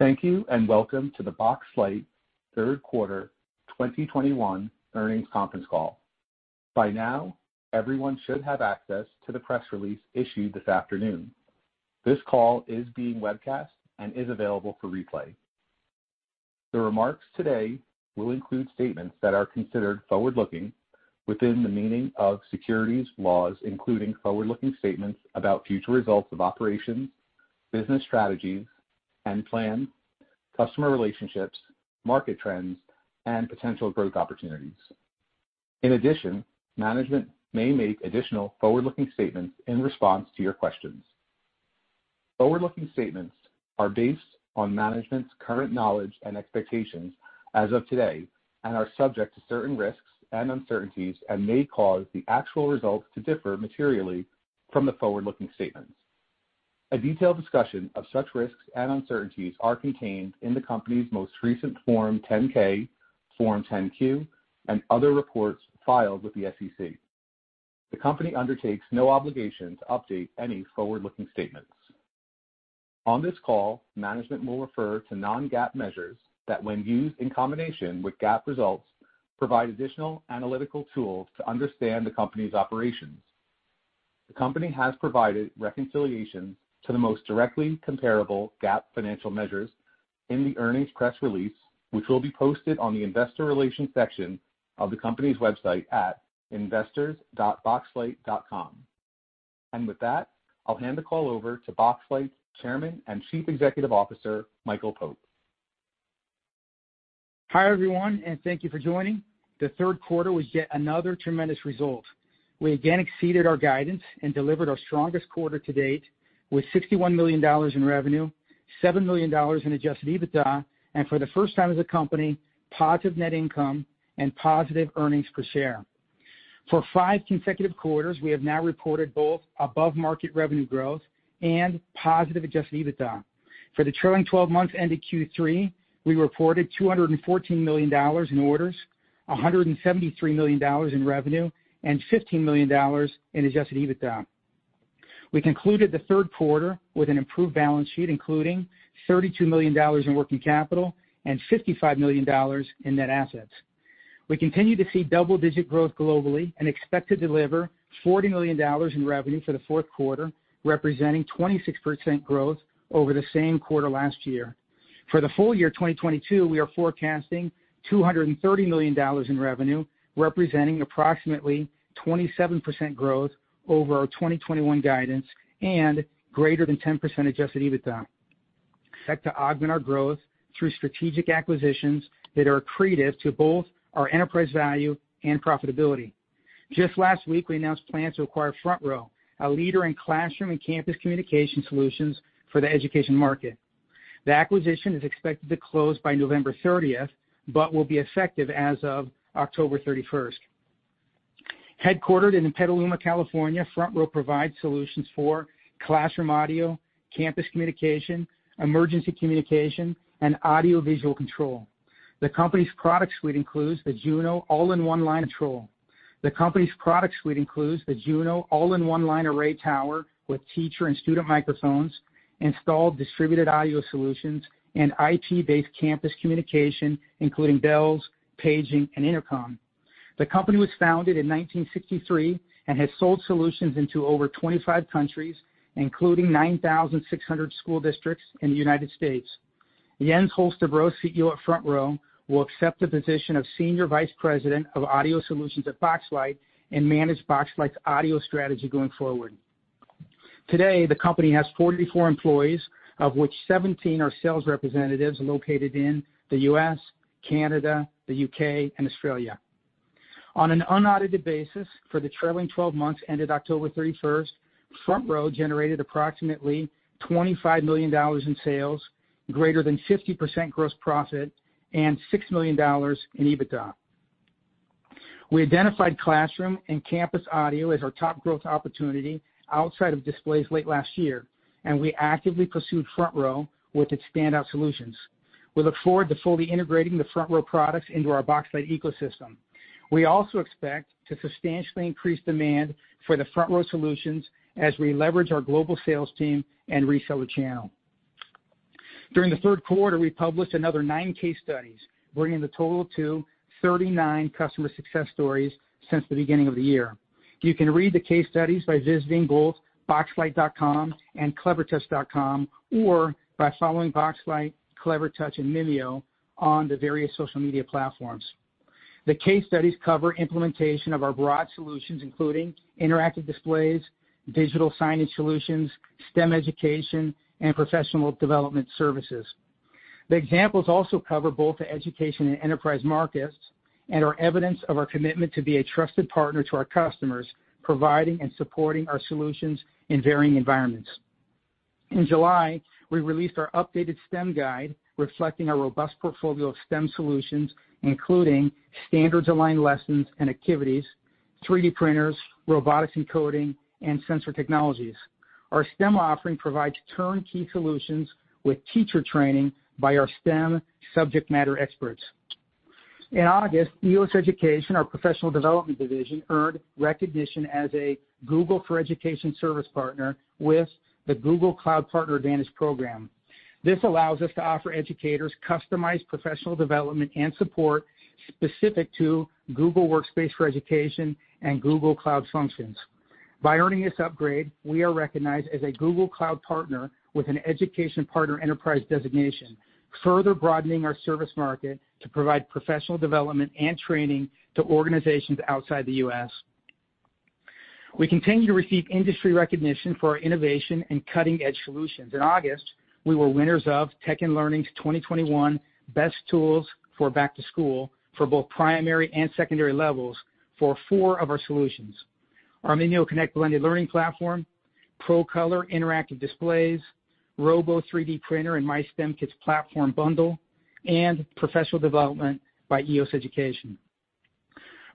Thank you and welcome to the Boxlight third quarter 2021 earnings conference call. By now, everyone should have access to the press release issued this afternoon. This call is being webcast and is available for replay. The remarks today will include statements that are considered forward-looking within the meaning of securities laws, including forward-looking statements about future results of operations, business strategies and plans, customer relationships, market trends, and potential growth opportunities. In addition, management may make additional forward-looking statements in response to your questions. Forward-looking statements are based on management's current knowledge and expectations as of today and are subject to certain risks and uncertainties and may cause the actual results to differ materially from the forward-looking statements. A detailed discussion of such risks and uncertainties are contained in the company's most recent Form 10-K, Form 10-Q, and other reports filed with the SEC. The company undertakes no obligation to update any forward-looking statements. On this call, management will refer to non-GAAP measures that, when used in combination with GAAP results, provide additional analytical tools to understand the company's operations. The company has provided reconciliations to the most directly comparable GAAP financial measures in the earnings press release, which will be posted on the investor relations section of the company's website at investors.boxlight.com. With that, I'll hand the call over to Boxlight Chairman and Chief Executive Officer, Michael Pope. Hi, everyone, and thank you for joining. The third quarter was yet another tremendous result. We again exceeded our guidance and delivered our strongest quarter to date with $61 million in revenue, $7 million in adjusted EBITDA, and for the first time as a company, positive net income and positive earnings per share. For five consecutive quarters, we have now reported both above-market revenue growth and positive adjusted EBITDA. For the trailing twelve months ended Q3, we reported $214 million in orders, $173 million in revenue, and $15 million in adjusted EBITDA. We concluded the third quarter with an improved balance sheet, including $32 million in working capital and $55 million in net assets. We continue to see double-digit growth globally and expect to deliver $40 million in revenue for the fourth quarter, representing 26% growth over the same quarter last year. For the full year 2022, we are forecasting $230 million in revenue, representing approximately 27% growth over our 2021 guidance and greater than 10% adjusted EBITDA. Expect to augment our growth through strategic acquisitions that are accretive to both our enterprise value and profitability. Just last week, we announced plans to acquire FrontRow, a leader in classroom and campus communication solutions for the education market. The acquisition is expected to close by November 30 but will be effective as of October 31. Headquartered in Petaluma, California, FrontRow provides solutions for classroom audio, campus communication, emergency communication, and audio visual control. The company's product suite includes the Juno all-in-one line array tower. The company's product suite includes the Juno all-in-one line array tower with teacher and student microphones, installed distributed audio solutions, and IT-based campus communication, including bells, paging, and intercom. The company was founded in 1963 and has sold solutions into over 25 countries, including 9,600 school districts in the United States. Jens Holstebro, CEO at FrontRow, will accept the position of Senior Vice President of Audio Solutions at Boxlight and manage Boxlight's audio strategy going forward. Today, the company has 44 employees, of which 17 are sales representatives located in the U.S., Canada, the U.K., and Australia. On an unaudited basis for the trailing twelve months ended October 31, FrontRow generated approximately $25 million in sales, greater than 50% gross profit, and $6 million in EBITDA. We identified classroom and campus audio as our top growth opportunity outside of displays late last year, and we actively pursued FrontRow with its standout solutions. We look forward to fully integrating the FrontRow products into our Boxlight ecosystem. We also expect to substantially increase demand for the FrontRow solutions as we leverage our global sales team and reseller channel. During the third quarter, we published another nine case studies, bringing the total to 39 customer success stories since the beginning of the year. You can read the case studies by visiting both boxlight.com and clevertouch.com or by following Boxlight, Clevertouch, and Mimio on the various social media platforms. The case studies cover implementation of our broad solutions, including interactive displays, digital signage solutions, STEM education, and professional development services. The examples also cover both the education and enterprise markets and are evidence of our commitment to be a trusted partner to our customers, providing and supporting our solutions in varying environments. In July, we released our updated STEM guide reflecting our robust portfolio of STEM solutions, including standards-aligned lessons and activities, 3D printers, robotics and coding, and sensor technologies. Our STEM offering provides turnkey solutions with teacher training by our STEM subject matter experts. In August, EOS Education, our professional development division, earned recognition as a Google for Education service partner with the Google Cloud Partner Advantage program. This allows us to offer educators customized professional development and support specific to Google Workspace for Education and Google Cloud functions. By earning this upgrade, we are recognized as a Google Cloud partner with an education partner enterprise designation, further broadening our service market to provide professional development and training to organizations outside the U.S. We continue to receive industry recognition for our innovation and cutting-edge solutions. In August, we were winners of Tech & Learning's 2021 Best Tools for Back to School for both primary and secondary levels for four of our solutions. Our MimioConnect blended learning platform, ProColor interactive displays, Robo 3D printer, and MyStemKits platform bundle, and professional development by EOS Education.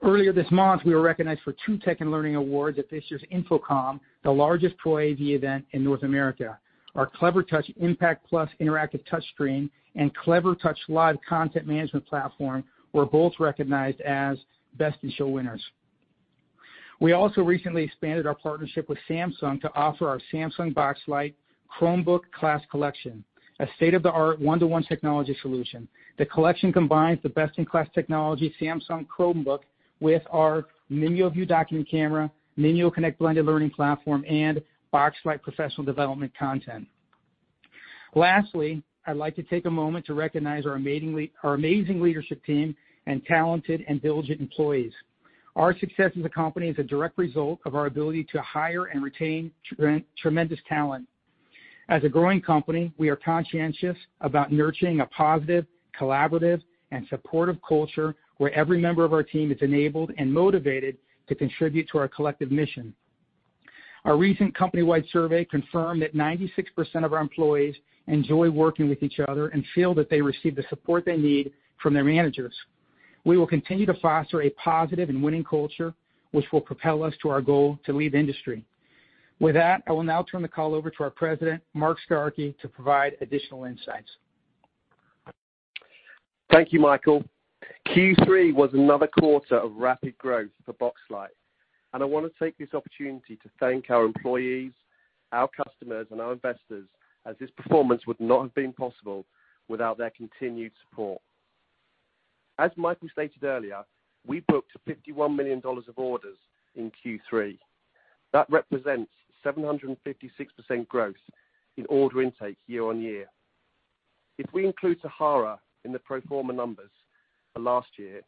Earlier this month, we were recognized for two Tech & Learning awards at this year's InfoComm, the largest pro AV event in North America. Our Clevertouch IMPACT Plus interactive touchscreen and CleverLive content management platform were both recognized as Best in Show winners. We also recently expanded our partnership with Samsung to offer our Samsung Boxlight Chromebook Class Collection, a state-of-the-art one-to-one technology solution. The collection combines the best-in-class technology Samsung Chromebook with our MimioView document camera, MimioConnect blended learning platform, and Boxlight professional development content. Lastly, I'd like to take a moment to recognize our amazing leadership team and talented and diligent employees. Our success as a company is a direct result of our ability to hire and retain tremendous talent. As a growing company, we are conscientious about nurturing a positive, collaborative, and supportive culture where every member of our team is enabled and motivated to contribute to our collective mission. Our recent company-wide survey confirmed that 96% of our employees enjoy working with each other and feel that they receive the support they need from their managers. We will continue to foster a positive and winning culture which will propel us to our goal to lead the industry. With that, I will now turn the call over to our President, Mark Starkey, to provide additional insights. Thank you, Michael. Q3 was another quarter of rapid growth for Boxlight, and I want to take this opportunity to thank our employees, our customers, and our investors as this performance would not have been possible without their continued support. As Michael stated earlier, we booked $51 million of orders in Q3. That represents 756% growth in order intake year-over-year. If we include Sahara in the pro forma numbers for last year,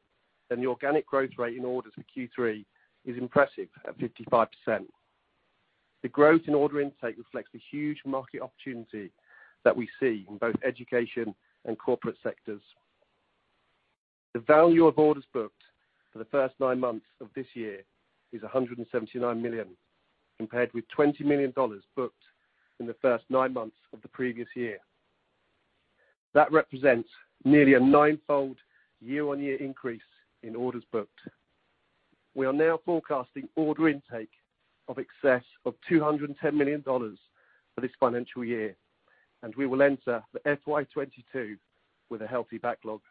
then the organic growth rate in orders for Q3 is impressive at 55%. The growth in order intake reflects the huge market opportunity that we see in both education and corporate sectors. The value of orders booked for the first nine months of this year is $179 million, compared with $20 million booked in the first nine months of the previous year. That represents nearly a nine-fold year-on-year increase in orders booked. We are now forecasting order intake in excess of $210 million for this financial year, and we will enter the FY 2022 with a healthy backlog.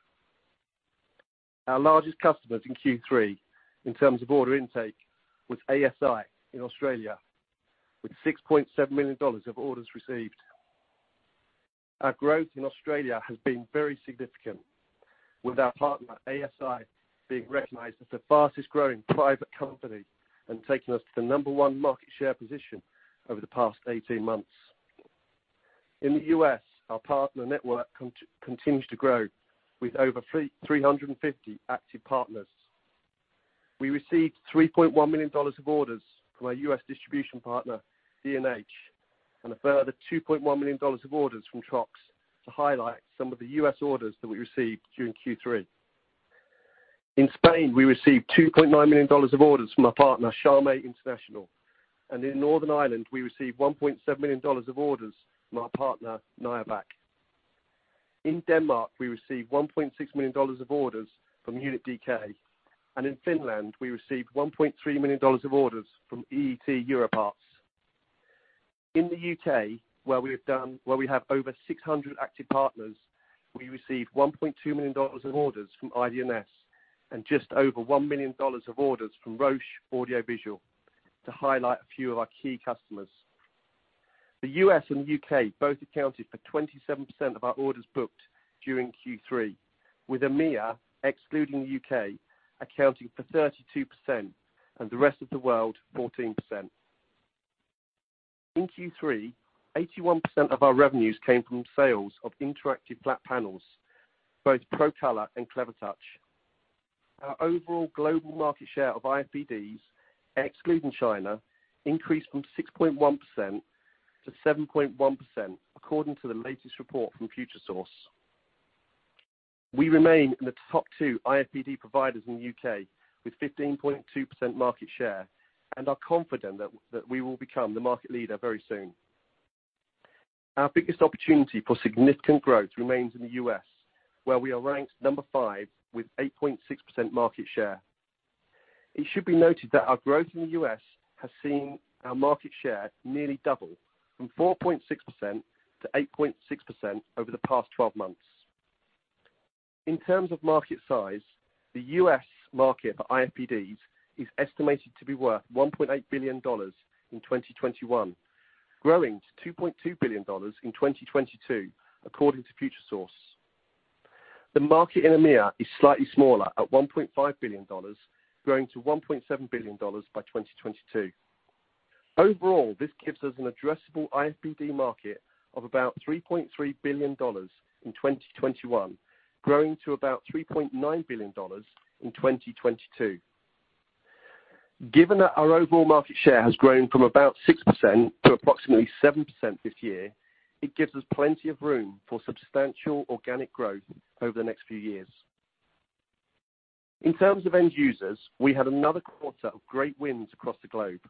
Our largest customer in Q3 in terms of order intake was ASI in Australia, with $6.7 million of orders received. Our growth in Australia has been very significant, with our partner ASI being recognized as the fastest-growing private company and taking us to the number one market share position over the past 18 months. In the U.S., our partner network continues to grow with over 350 active partners. We received $3.1 million of orders from our U.S. distribution partner, D&H, and a further $2.1 million of orders from Trox to highlight some of the U.S. orders that we received during Q3. In Spain, we received $2.9 million of orders from our partner, Charmex Internacional. In Northern Ireland, we received $1.7 million of orders from our partner, Niavac. In Denmark, we received $1.6 million of orders from Unit.DK. In Finland, we received $1.3 million of orders from EET Europarts. In the U.K., where we have over 600 active partners, we received $1.2 million of orders from IDNS and just over $1 million of orders from Roche Audio Visual to highlight a few of our key customers. The U.S. and the U.K. both accounted for 27% of our orders booked during Q3, with EMEA, excluding the U.K., accounting for 32% and the rest of the world 14%. In Q3, 81% of our revenues came from sales of interactive flat panels, both ProColor and Clevertouch. Our overall global market share of IFPDs, excluding China, increased from 6.1% to 7.1%, according to the latest report from Futuresource. We remain in the top two IFPD providers in the U.K. with 15.2% market share and are confident that we will become the market leader very soon. Our biggest opportunity for significant growth remains in the U.S., where we are ranked number 5 with 8.6% market share. It should be noted that our growth in the U.S. has seen our market share nearly double from 4.6% to 8.6% over the past 12 months. In terms of market size, the U.S. market for IFPDs is estimated to be worth $1.8 billion in 2021, growing to $2.2 billion in 2022 according to Futuresource. The market in EMEA is slightly smaller at $1.5 billion, growing to $1.7 billion by 2022. Overall, this gives us an addressable IFPD market of about $3.3 billion in 2021, growing to about $3.9 billion in 2022. Given that our overall market share has grown from about 6% to approximately 7% this year, it gives us plenty of room for substantial organic growth over the next few years. In terms of end users, we had another quarter of great wins across the globe.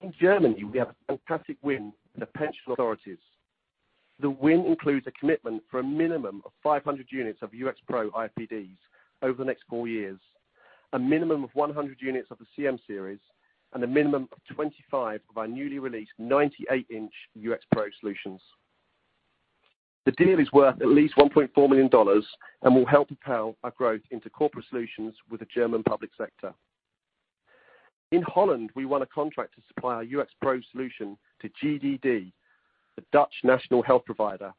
In Germany, we had a fantastic win with the pension authorities. The win includes a commitment for a minimum of 500 units of UX Pro IFPDs over the next four years, a minimum of 100 units of the CM series, and a minimum of 25 of our newly released 98-inch UX Pro solutions. The deal is worth at least $1.4 million and will help propel our growth into corporate solutions with the German public sector. In Holland, we won a contract to supply our UX Pro solution to GGD, the Dutch national health provider,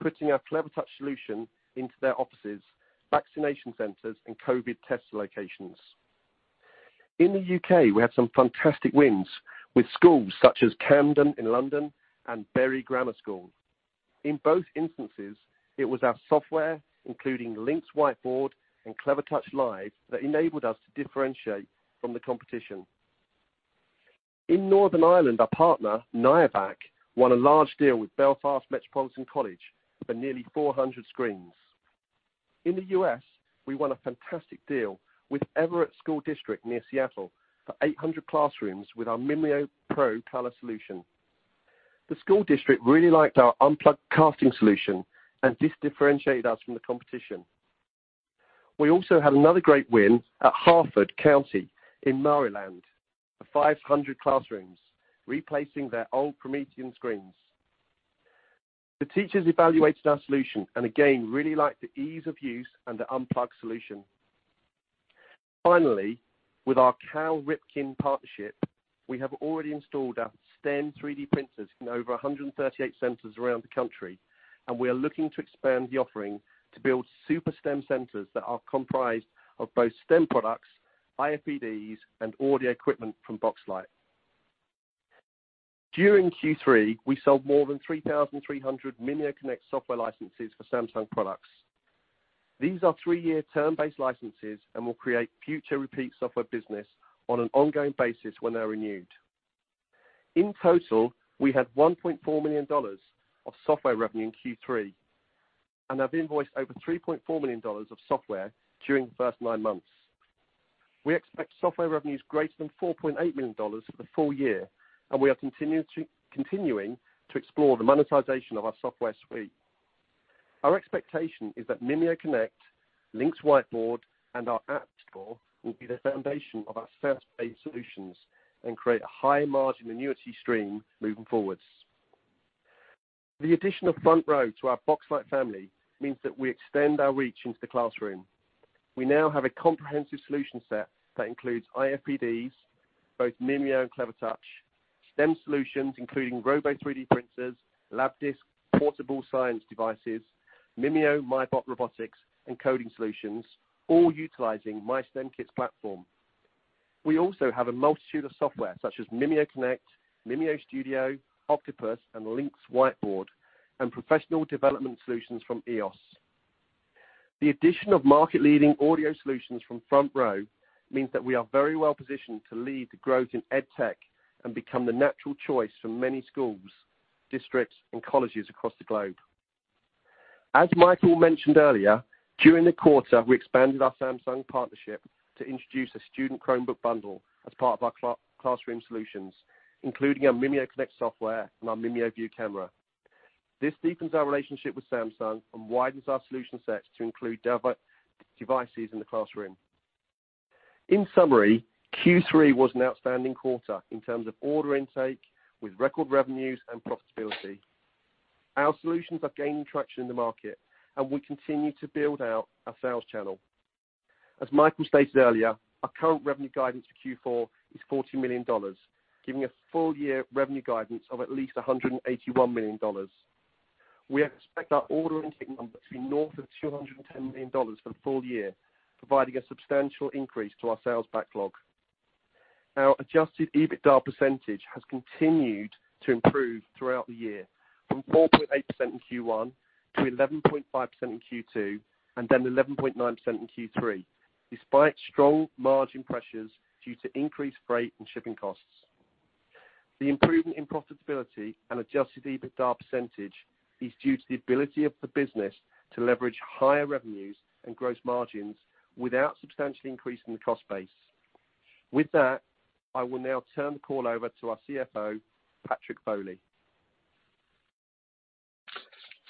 putting our Clevertouch solution into their offices, vaccination centers, and COVID test locations. In the U.K., we had some fantastic wins with schools such as Camden in London and Bury Grammar School. In both instances, it was our software, including LYNX Whiteboard and CleverLive, that enabled us to differentiate from the competition. In Northern Ireland, our partner, Niavac, won a large deal with Belfast Metropolitan College for nearly 400 screens. In the U.S., we won a fantastic deal with Everett School District near Seattle for 800 classrooms with our Mimio ProColor solution. The school district really liked our unplugged casting solution, and this differentiated us from the competition. We also had another great win at Harford County in Maryland for 500 classrooms, replacing their old Promethean screens. The teachers evaluated our solution and again really liked the ease of use and the unplugged solution. Finally, with our Cal Ripken partnership, we have already installed our STEM 3D printers in over 138 centers around the country, and we are looking to expand the offering to build super STEM centers that are comprised of both STEM products, IFPDs and audio equipment from Boxlight. During Q3, we sold more than 3,300 MimioConnect software licenses for Samsung products. These are three-year term-based licenses and will create future repeat software business on an ongoing basis when they're renewed. In total, we had $1.4 million of software revenue in Q3 and have invoiced over $3.4 million of software during the first nine months. We expect software revenues greater than $4.8 million for the full year, and we are continuing to explore the monetization of our software suite. Our expectation is that MimioConnect, LYNX Whiteboard, and our app store will be the foundation of our SaaS-based solutions and create a high margin annuity stream moving forwards. The addition of FrontRow to our Boxlight family means that we extend our reach into the classroom. We now have a comprehensive solution set that includes IFPDs, both Mimio and Clevertouch, STEM solutions, including Robo 3D printers, Labdisc portable science devices, Mimio MyBot robotics, and coding solutions, all utilizing MyStemKits platform. We also have a multitude of software such as MimioConnect, MimioStudio, OKTOPUS, and LYNX Whiteboard, and professional development solutions from EOS. The addition of market leading audio solutions from FrontRow means that we are very well positioned to lead the growth in edtech and become the natural choice for many schools, districts, and colleges across the globe. As Michael mentioned earlier, during the quarter, we expanded our Samsung partnership to introduce a student Chromebook bundle as part of our classroom solutions, including our MimioConnect software and our MimioView camera. This deepens our relationship with Samsung and widens our solution sets to include devices in the classroom. In summary, Q3 was an outstanding quarter in terms of order intake with record revenues and profitability. Our solutions are gaining traction in the market and we continue to build out our sales channel. As Michael stated earlier, our current revenue guidance for Q4 is $40 million, giving a full year revenue guidance of at least $181 million. We expect our order intake number to be north of $210 million for the full year, providing a substantial increase to our sales backlog. Our adjusted EBITDA percentage has continued to improve throughout the year from 4.8% in Q1 to 11.5% in Q2, and then 11.9% in Q3, despite strong margin pressures due to increased freight and shipping costs. The improvement in profitability and adjusted EBITDA percentage is due to the ability of the business to leverage higher revenues and gross margins without substantially increasing the cost base. With that, I will now turn the call over to our CFO, Patrick Foley.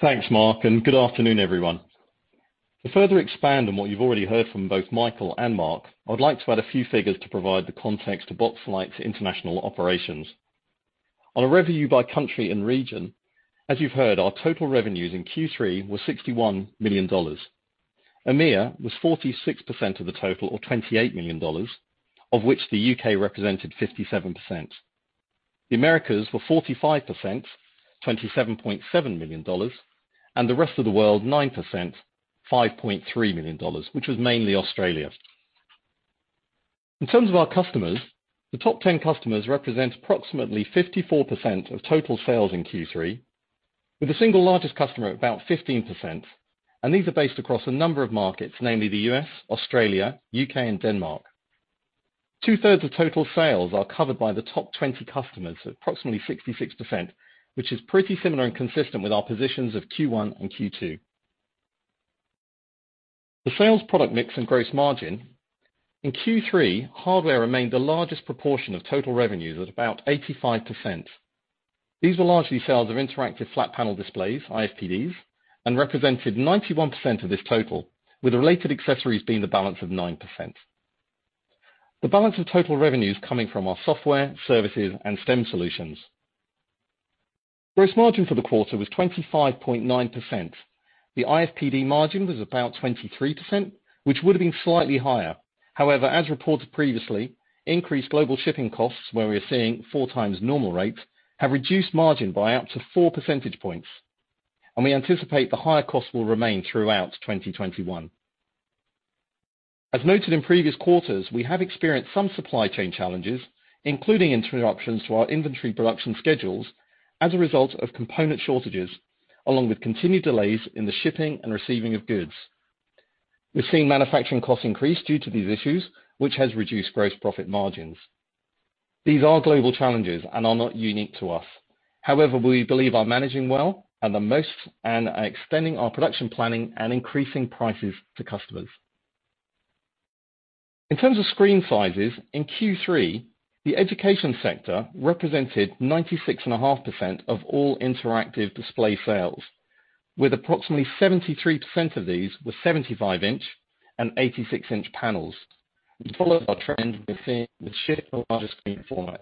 Thanks, Mark, and good afternoon, everyone. To further expand on what you've already heard from both Michael and Mark, I would like to add a few figures to provide the context to Boxlight's international operations. On a revenue by country and region, as you've heard, our total revenues in Q3 were $61 million. EMEA was 46% of the total, or $28 million, of which the U.K. represented 57%. The Americas were 45%, $27.7 million, and the rest of the world 9%, $5.3 million, which was mainly Australia. In terms of our customers, the top 10 customers represent approximately 54% of total sales in Q3, with the single largest customer at about 15%, and these are based across a number of markets, namely the U.S., Australia, U.K., and Denmark. 2/3 of total sales are covered by the top 20 customers at approximately 66%, which is pretty similar and consistent with our positions of Q1 and Q2. The sales product mix and gross margin in Q3, hardware remained the largest proportion of total revenues at about 85%. These were largely sales of interactive flat panel displays, IFPDs, and represented 91% of this total, with related accessories being the balance of 9%. The balance of total revenues coming from our software, services, and STEM solutions. Gross margin for the quarter was 25.9%. The IFPD margin was about 23%, which would have been slightly higher. However, as reported previously, increased global shipping costs, where we are seeing 4 times normal rates, have reduced margin by up to 4 percentage points, and we anticipate the higher costs will remain throughout 2021. As noted in previous quarters, we have experienced some supply chain challenges, including interruptions to our inventory production schedules as a result of component shortages, along with continued delays in the shipping and receiving of goods. We've seen manufacturing costs increase due to these issues, which has reduced gross profit margins. These are global challenges and are not unique to us. However, we believe we are managing as well as most and are extending our production planning and increasing prices to customers. In terms of screen sizes, in Q3, the education sector represented 96.5% of all interactive display sales, with approximately 73% of these were 75-inch and 86-inch panels, which follows our trend we're seeing the shift to larger screen formats.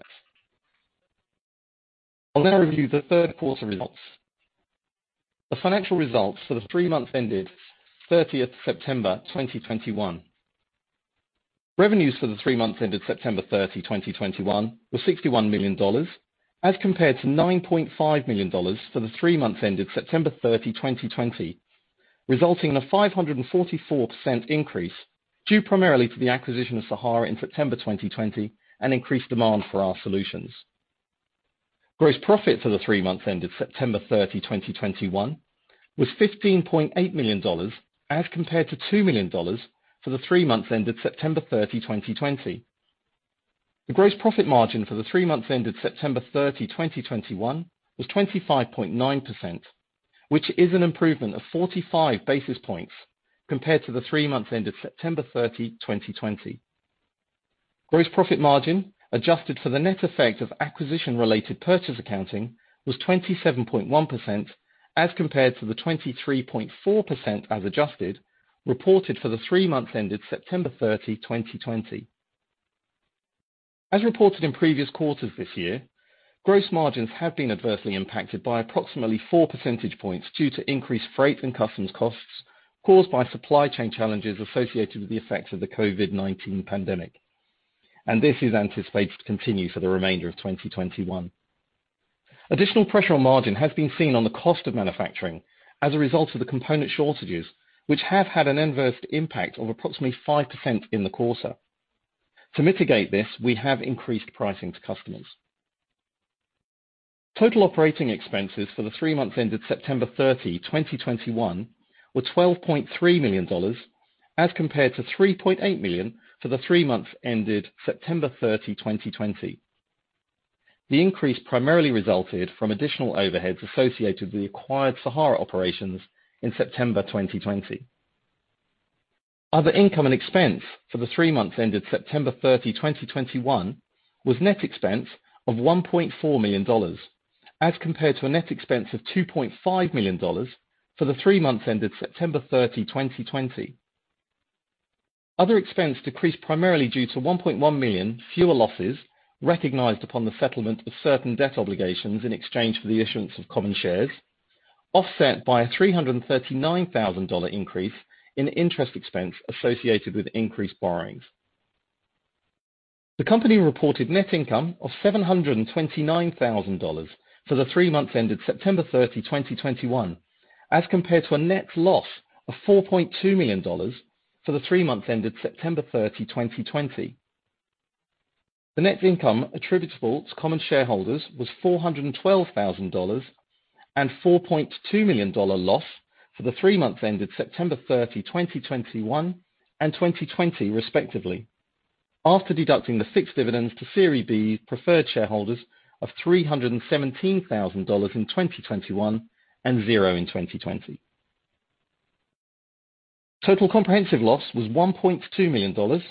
I'll now review the third quarter results. The financial results for the three months ended September 30, 2021. Revenues for the three months ended September 30, 2021 were $61 million as compared to $9.5 million for the three months ended September 30, 2020, resulting in a 544% increase due primarily to the acquisition of Sahara in September 2020 and increased demand for our solutions. Gross profit for the three months ended September 30, 2021 was $15.8 million as compared to $2 million for the three months ended September 30, 2020. The gross profit margin for the three months ended September 30, 2021 was 25.9%, which is an improvement of 45 basis points compared to the three months ended September 30, 2020. Gross profit margin adjusted for the net effect of acquisition-related purchase accounting was 27.1% as compared to the 23.4% as adjusted, reported for the three months ended September 30, 2020. As reported in previous quarters this year, gross margins have been adversely impacted by approximately 4 percentage points due to increased freight and customs costs caused by supply chain challenges associated with the effects of the COVID-19 pandemic. This is anticipated to continue for the remainder of 2021. Additional pressure on margin has been seen on the cost of manufacturing as a result of the component shortages, which have had an adverse impact of approximately 5% in the quarter. To mitigate this, we have increased pricing to customers. Total operating expenses for the three months ended September 30, 2021 were $12.3 million as compared to $3.8 million for the three months ended September 30, 2020. The increase primarily resulted from additional overheads associated with the acquired Sahara operations in September 2020. Other income and expense for the three months ended September 30, 2021 was net expense of $1.4 million as compared to a net expense of $2.5 million for the three months ended September 30, 2020. Other expense decreased primarily due to $1.1 million fewer losses recognized upon the settlement of certain debt obligations in exchange for the issuance of common shares, offset by a $339,000 increase in interest expense associated with increased borrowings. The company reported net income of $729,000 for the three months ended September 30, 2021, as compared to a net loss of $4.2 million for the three months ended September 30, 2020. The net income attributable to common shareholders was $412,000 and $4.2 million dollar loss for the three months ended September 30, 2021 and 2020 respectively, after deducting the fixed dividends to Series B preferred shareholders of $317,000 in 2021 and zero in 2020. Total comprehensive loss was $1.2 million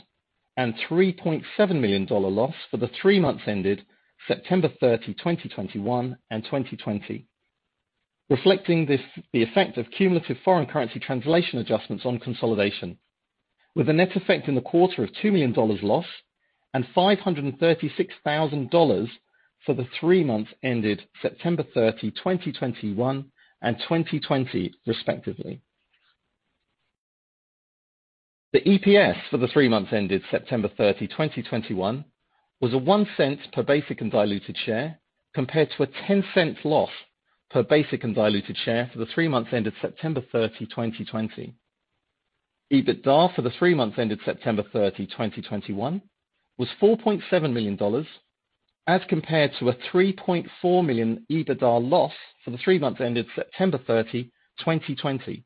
and $3.7 million loss for the three months ended September 30, 2021 and 2020, reflecting this, the effect of cumulative foreign currency translation adjustments on consolidation, with a net effect in the quarter of $2 million loss and $536,000 for the three months ended September 30, 2021 and 2020 respectively. The EPS for the three months ended September 30, 2021 was $0.01 per basic and diluted share, compared to a $0.10 loss per basic and diluted share for the three months ended September 30, 2020. EBITDA for the three months ended September 30, 2021 was $4.7 million as compared to a $3.4 million EBITDA loss for the three months ended September 30, 2020.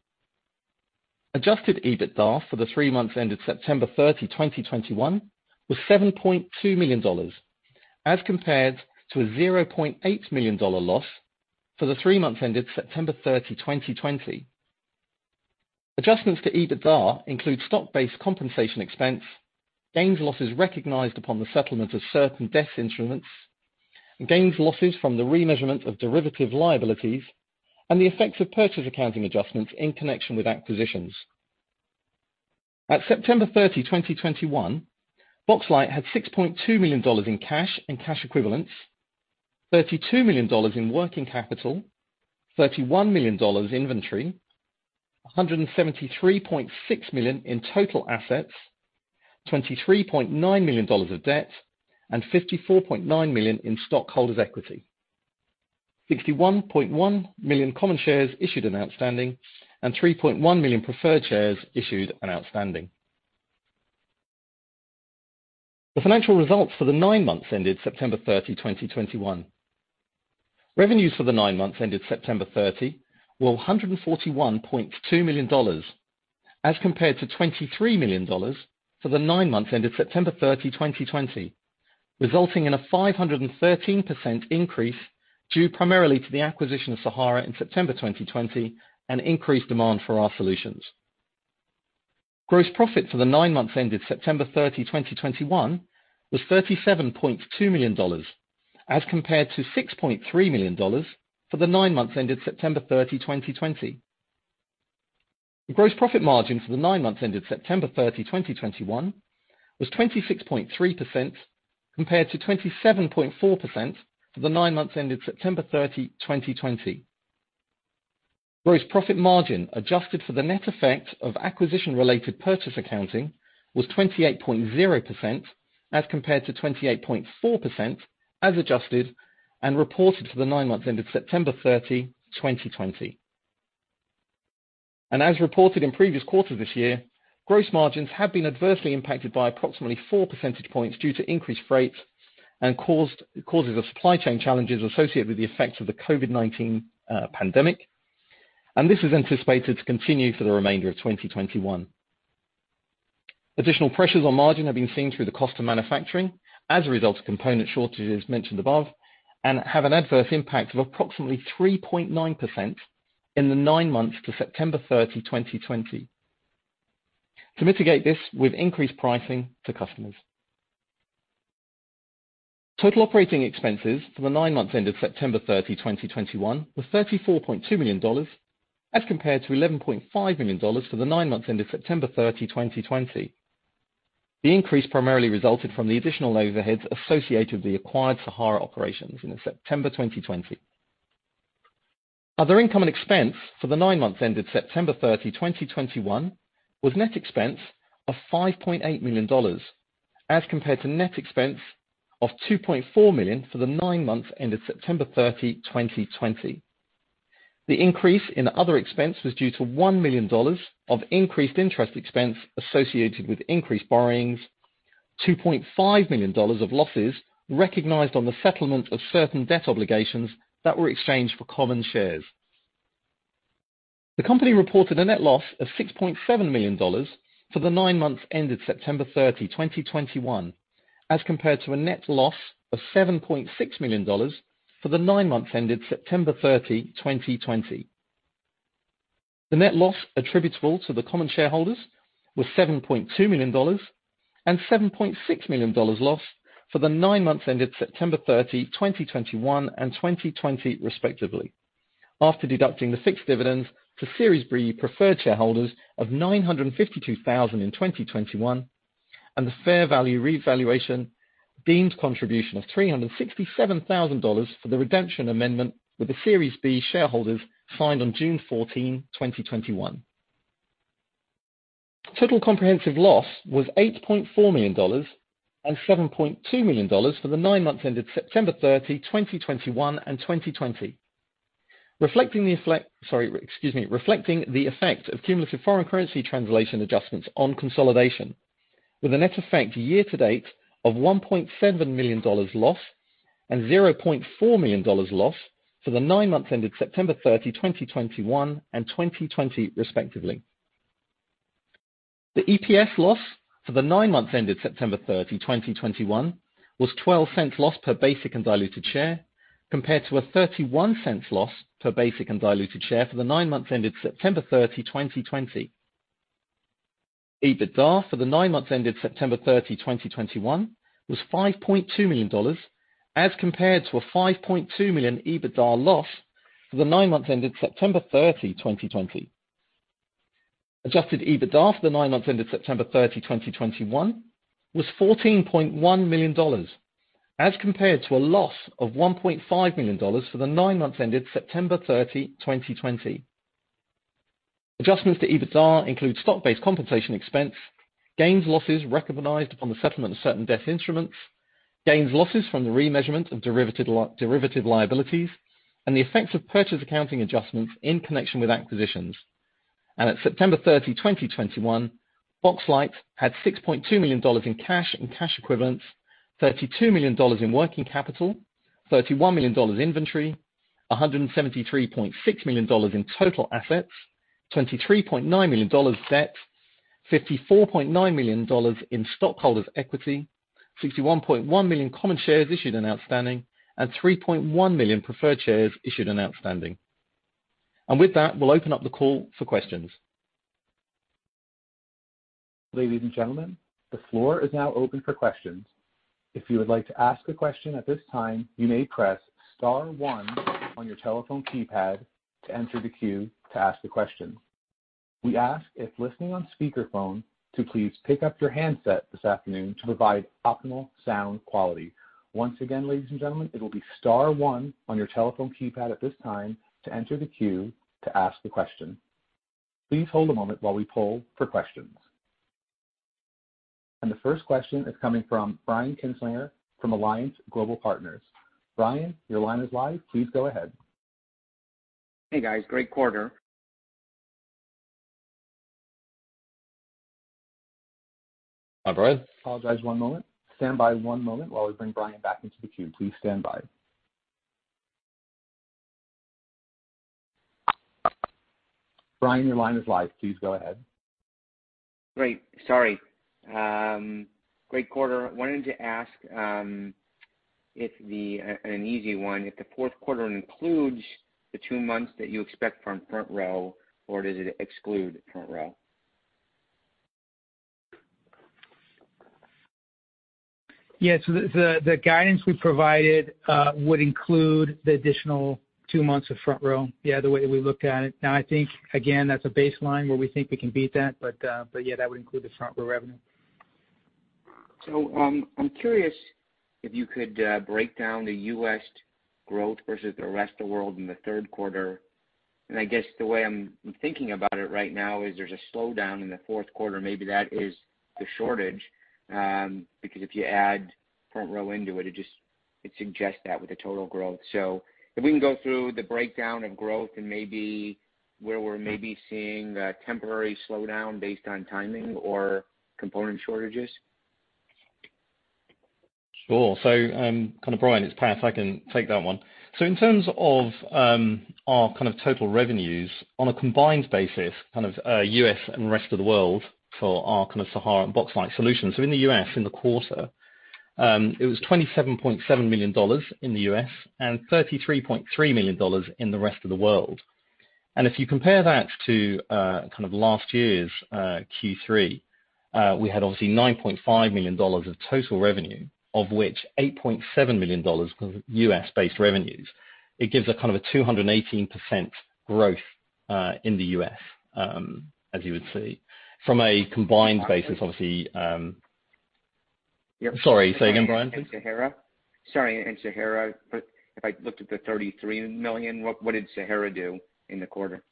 Adjusted EBITDA for the three months ended September 30, 2021 was $7.2 million as compared to a $0.8 million loss for the three months ended September 30, 2020. Adjustments to EBITDA include stock-based compensation expense, gains losses recognized upon the settlement of certain debt instruments, gains losses from the remeasurement of derivative liabilities, and the effects of purchase accounting adjustments in connection with acquisitions. At September 30, 2021, Boxlight had $6.2 million in cash and cash equivalents, $32 million in working capital, $31 million inventory, $173.6 million in total assets, $23.9 million of debt, and $54.9 million in stockholders' equity. 61.1 million common shares issued and outstanding and 3.1 million preferred shares issued and outstanding. The financial results for the nine months ended September 30, 2021. Revenues for the nine months ended September 30 were $141.2 million as compared to $23 million for the nine months ended September 30, 2020, resulting in a 513% increase due primarily to the acquisition of Sahara in September 2020 and increased demand for our solutions. Gross profit for the nine months ended September 30, 2021 was $37.2 million as compared to $6.3 million for the 9 months ended September 30, 2020. The gross profit margin for the nine months ended September 30, 2021 was 26.3% compared to 27.4% for the 9 months ended September 30, 2020. Gross profit margin adjusted for the net effect of acquisition-related purchase accounting was 28.0% as compared to 28.4% as adjusted and reported for the nine months ended September 30, 2020. As reported in previous quarters this year, gross margins have been adversely impacted by approximately four percentage points due to increased freight and causes of supply chain challenges associated with the effects of the COVID-19 pandemic. This is anticipated to continue for the remainder of 2021. Additional pressures on margin have been seen through the cost of manufacturing as a result of component shortages mentioned above and have an adverse impact of approximately 3.9% in the nine months to September 30, 2020. To mitigate this with increased pricing to customers. Total operating expenses for the nine months ended September 30, 2021 was $34.2 million as compared to $11.5 million for the nine months ended September 30, 2020. The increase primarily resulted from the additional overheads associated with the acquired Sahara operations in September 2020. Other income and expense for the nine months ended September 30, 2021 was net expense of $5.8 million as compared to net expense of $2.4 million for the nine months ended September 30, 2020. The increase in other expense was due to $1 million of increased interest expense associated with increased borrowings, $2.5 million of losses recognized on the settlement of certain debt obligations that were exchanged for common shares. The company reported a net loss of $6.7 million for the nine months ended September 30, 2021, as compared to a net loss of $7.6 million for the nine months ended September 30, 2020. The net loss attributable to the common shareholders was $7.2 million and $7.6 million loss for the nine months ended September 30, 2021 and 2020 respectively. After deducting the fixed dividends to Series B preferred shareholders of $952,000 in 2021 and the fair value revaluation deemed contribution of $367,000 for the redemption amendment with the Series B shareholders signed on June 14, 2021. Total comprehensive loss was $8.4 million and $7.2 million for the nine months ended September 30, 2021 and 2020. Sorry, excuse me. Reflecting the effect of cumulative foreign currency translation adjustments on consolidation, with a net effect year-to-date of $1.7 million loss and $0.4 million loss for the nine months ended September 30, 2021 and 2020 respectively. The EPS loss for the nine months ended September 30, 2021 was $0.12 loss per basic and diluted share compared to a $0.31 loss per basic and diluted share for the nine months ended September 30, 2020. EBITDA for the nine months ended September 30, 2021 was $5.2 million as compared to a $5.2 million EBITDA loss for the nine months ended September 30, 2020. Adjusted EBITDA for the nine months ended September 30, 2021 was $14.1 million as compared to a loss of $1.5 million for the nine months ended September 30, 2020. Adjustments to EBITDA include stock-based compensation expense, gains, losses recognized upon the settlement of certain debt instruments, gains, losses from the remeasurement of derivative liabilities, and the effects of purchase accounting adjustments in connection with acquisitions. At September 30, 2021, Boxlight had $6.2 million in cash and cash equivalents, $32 million in working capital, $31 million in inventory, $173.6 million in total assets, $23.9 million debt, $54.9 million in stockholders' equity, 61.1 million common shares issued and outstanding, and 3.1 million preferred shares issued and outstanding. With that, we'll open up the call for questions. Ladies and gentlemen, the floor is now open for questions. If you would like to ask a question at this time, you may press star one on your telephone keypad to enter the queue to ask the question. We ask if listening on speakerphone to please pick up your handset this afternoon to provide optimal sound quality. Once again, ladies and gentlemen, it'll be star one on your telephone keypad at this time to enter the queue to ask the question. Please hold a moment while we poll for questions. The first question is coming from Brian Kinstlinger from Alliance Global Partners. Brian, your line is live. Please go ahead. Hey, guys. Great quarter. Hi, Brian. Apologies, one moment. Stand by one moment while we bring Brian back into the queue. Please stand by. Brian, your line is live. Please go ahead. Great. Sorry. Great quarter. Wanted to ask, an easy one, if the fourth quarter includes the two months that you expect from FrontRow, or does it exclude FrontRow? Yeah. The guidance we provided would include the additional two months of FrontRow. Yeah, the way we look at it. Now, I think, again, that's a baseline where we think we can beat that. Yeah, that would include the FrontRow revenue. I'm curious if you could break down the U.S. growth versus the rest of the world in the third quarter. I guess the way I'm thinking about it right now is there's a slowdown in the fourth quarter. Maybe that is the shortage because if you add FrontRow into it suggests that with the total growth. If we can go through the breakdown of growth and maybe where we're maybe seeing a temporary slowdown based on timing or component shortages. Sure. Brian, it's Pat. I can take that one. In terms of our total revenues on a combined basis, U.S. and rest of the world for our Sahara and Boxlight solutions. In the U.S., in the quarter, it was $27.7 million in the U.S. and $33.3 million in the rest of the world. If you compare that to last year's Q3, we had obviously $9.5 million of total revenue, of which $8.7 million was U.S.-based revenues. It gives a 218% growth in the U.S., as you would see. From a combined basis, obviously. Yeah. Sorry. Say again, Brian, please. Sahara. Sorry, and Sahara. If I looked at the $33 million, what did Sahara do in the quarter?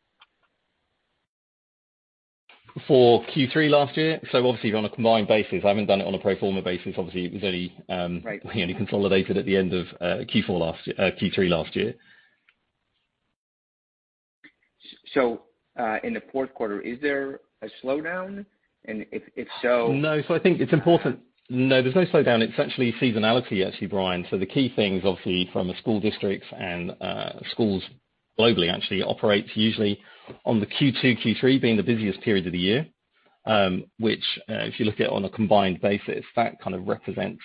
For Q3 last year? Obviously, on a combined basis, I haven't done it on a pro forma basis. Obviously, it was only, Right We only consolidated at the end of Q3 last year. In the fourth quarter, is there a slowdown? If so- No, there's no slowdown. It's actually seasonality actually, Brian. The key things obviously from a school districts and schools globally actually operates usually on the Q2, Q3 being the busiest period of the year, which, if you look at on a combined basis, that kind of represents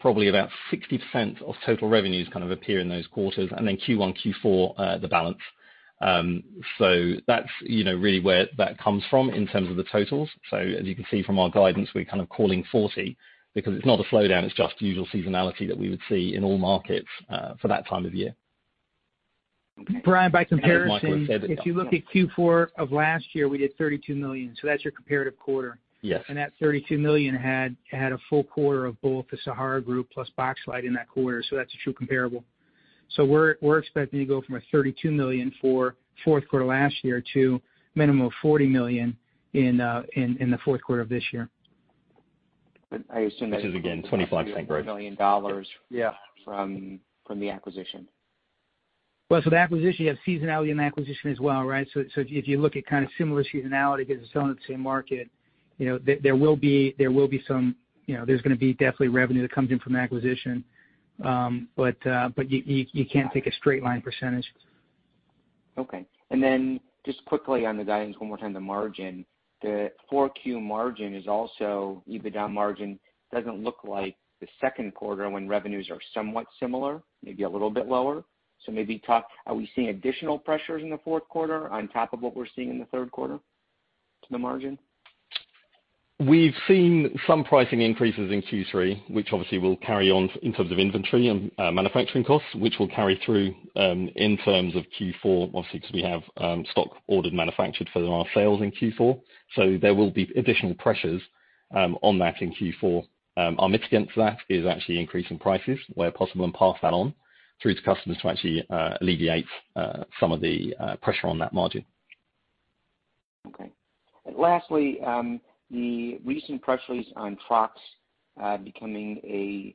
probably about 60% of total revenues kind of appear in those quarters, and then Q1, Q4 the balance. That's, you know, really where that comes from in terms of the totals. So, as you can see from our guidance, we're kind of calling 40 because it's not a slowdown, it's just usual seasonality that we would see in all markets for that time of year. Okay. Brian, by comparison. as Michael has said that, yeah. If you look at Q4 of last year, we did $32 million. That's your comparative quarter. Yes. That $32 million had a full quarter of both the Sahara Group plus Boxlight in that quarter. That's a true comparable. We're expecting to go from $32 million for fourth quarter last year to minimum of $40 million in the fourth quarter of this year. I assume that. This is again 20% growth. million dollars Yeah from the acquisition. Well, the acquisition, you have seasonality and acquisition as well, right? If you look at kind of similar seasonality because it's all in the same market, you know, there will be, you know, there's gonna be definitely revenue that comes in from acquisition. But you can't take a straight line percentage. Okay. Just quickly on the guidance one more time, the margin, the Q4 margin is also EBITDA margin doesn't look like the second quarter when revenues are somewhat similar, maybe a little bit lower. So maybe, are we seeing additional pressures in the fourth quarter on top of what we're seeing in the third quarter to the margin? We've seen some pricing increases in Q3, which obviously will carry on in terms of inventory and manufacturing costs, which will carry through in terms of Q4, obviously, because we have stock ordered manufactured for our sales in Q4. There will be additional pressures on that in Q4. Our mix against that is actually increasing prices where possible and pass that on through to customers to actually alleviate some of the pressure on that margin. Okay. Lastly, the recent press release on Trox becoming a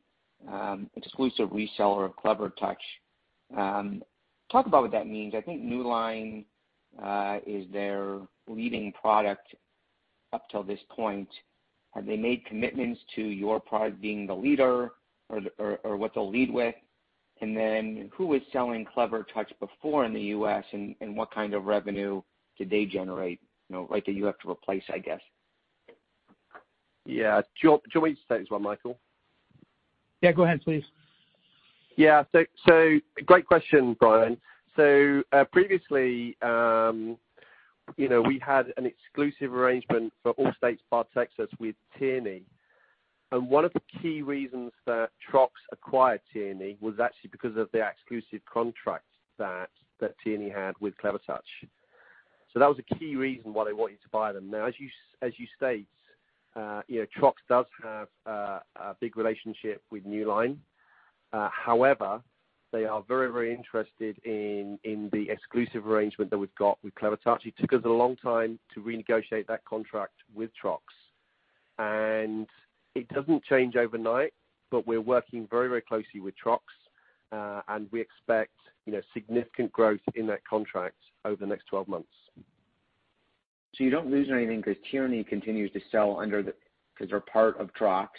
exclusive reseller of Clevertouch. Talk about what that means. I think Newline is their leading product up till this point. Have they made commitments to your product being the leader or what they'll lead with? And then who was selling Clevertouch before in the U.S., and what kind of revenue did they generate, you know, like that you have to replace, I guess? Yeah. Do you want me to take this one, Michael? Yeah, go ahead, please. Yeah. Great question, Brian. Previously, you know, we had an exclusive arrangement for all states bar Texas with Tierney. One of the key reasons that Trox acquired Tierney was actually because of the exclusive contracts that Tierney had with Clevertouch. That was a key reason why they wanted to buy them. Now, as you state, you know, Trox does have a big relationship with Newline. However, they are very, very interested in the exclusive arrangement that we've got with Clevertouch. It took us a long time to renegotiate that contract with Trox. It doesn't change overnight, but we're working very, very closely with Trox, and we expect, you know, significant growth in that contract over the next 12 months. You don't lose anything because Tierney continues to sell because they're part of Trox.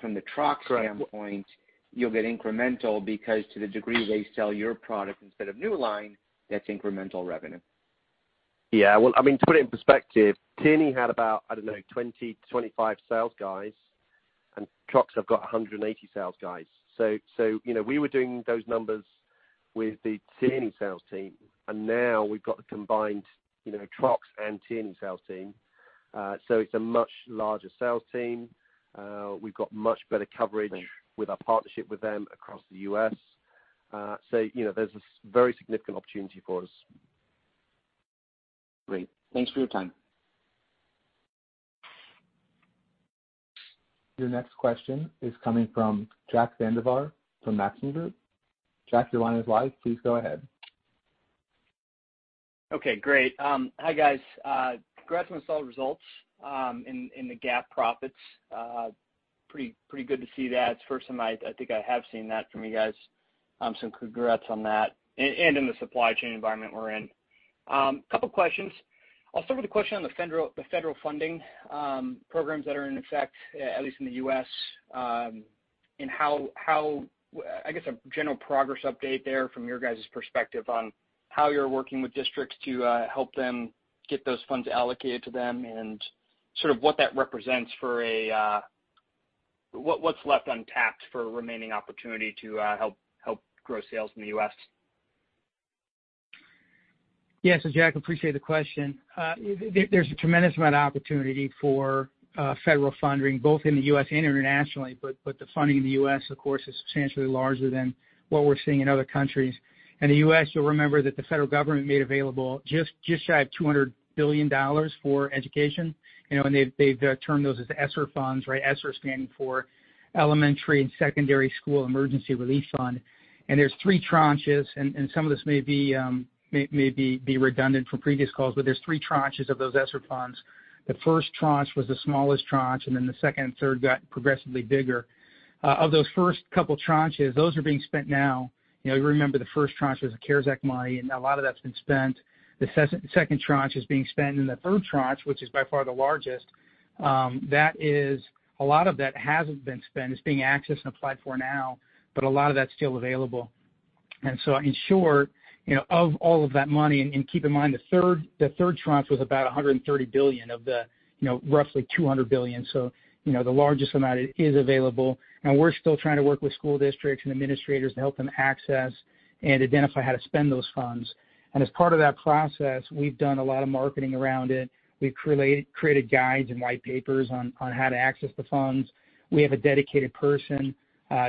From the Trox- Correct From a standpoint, you'll get incremental because to the degree they sell your product instead of Newline, that's incremental revenue. Yeah. Well, I mean, to put it in perspective, Tierney had about, I don't know, 20-25 sales guys, and Trox have got 180 sales guys. You know, we were doing those numbers with the Tierney sales team, and now we've got the combined, you know, Trox and Tierney sales team. It's a much larger sales team. We've got much better coverage with our partnership with them across the U.S. You know, there's a very significant opportunity for us. Great. Thanks for your time. Your next question is coming from Jack Vander Aarde from Maxim Group. Jack, your line is live. Please go ahead. Okay, great. Hi, guys. Congrats on the solid results in the GAAP profits. Pretty good to see that. It's the first time I think I have seen that from you guys, so congrats on that, and in the supply chain environment we're in. Couple questions. I'll start with a question on the federal funding programs that are in effect, at least in the U.S., and how I guess a general progress update there from your guys' perspective on how you're working with districts to help them get those funds allocated to them and sort of what that represents for what's left untapped for remaining opportunity to help grow sales in the U.S.? Yeah. Jack, appreciate the question. There's a tremendous amount of opportunity for federal funding both in the U.S. and internationally, but the funding in the U.S. of course is substantially larger than what we're seeing in other countries. In the U.S., you'll remember that the federal government made available just shy of $200 billion for education. You know, and they've termed those as ESSER funds, right? ESSER standing for Elementary and Secondary School Emergency Relief Fund. There's three tranches, and some of this may be redundant from previous calls, but there's three tranches of those ESSER funds. The first tranche was the smallest tranche, and then the second and third got progressively bigger. Of those first couple tranches, those are being spent now. You know, you remember the first tranche was the CARES Act money, and a lot of that's been spent. The second tranche is being spent, and the third tranche, which is by far the largest, that is, a lot of that hasn't been spent. It's being accessed and applied for now, but a lot of that's still available. In short, you know, of all of that money, and keep in mind, the third tranche was about $130 billion of the, you know, roughly $200 billion. So you know, the largest amount is available. Now we're still trying to work with school districts and administrators to help them access and identify how to spend those funds. And as part of that process, we've done a lot of marketing around it. We've created guides and white papers on how to access the funds. We have a dedicated person,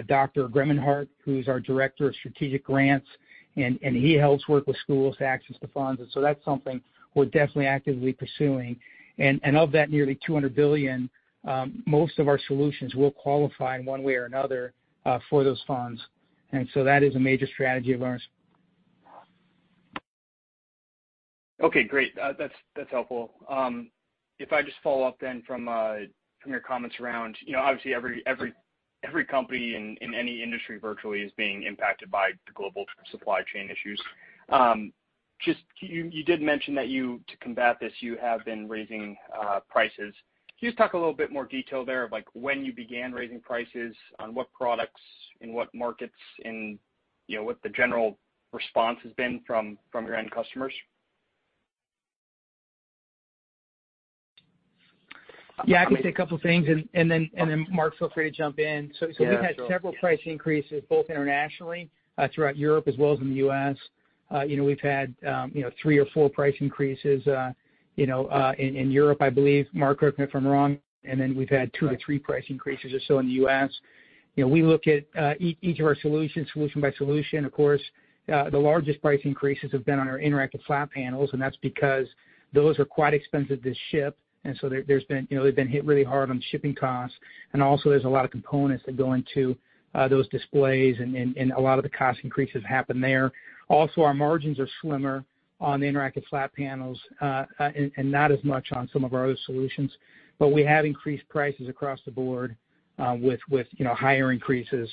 Dr. Gemeinhardt, who's our Director of Strategic Grants, and he helps work with schools to access the funds. That's something we're definitely actively pursuing. Of that nearly $200 billion, most of our solutions will qualify in one way or another for those funds. That is a major strategy of ours. Okay, great. That's helpful. If I just follow up from your comments around, you know, obviously every company in any industry virtually is being impacted by the global supply chain issues. Just you did mention that you, to combat this, you have been raising prices. Can you just talk a little bit more detail there of like when you began raising prices, on what products, in what markets, and you know, what the general response has been from your end customers? Yeah, I can say a couple things, and then Mark, feel free to jump in. Yeah, sure. We've had several price increases both internationally throughout Europe as well as in the U.S. We've had three or four price increases in Europe, I believe. Mark, correct me if I'm wrong. We've had two to three price increases or so in the U.S. We look at each of our solutions, solution by solution, of course. The largest price increases have been on our interactive flat panels, and that's because those are quite expensive to ship, and so there's been, they've been hit really hard on shipping costs. Also, there's a lot of components that go into those displays and a lot of the cost increases happen there. Also, our margins are slimmer on the interactive flat panels, and not as much on some of our other solutions. We have increased prices across the board, with, you know, higher increases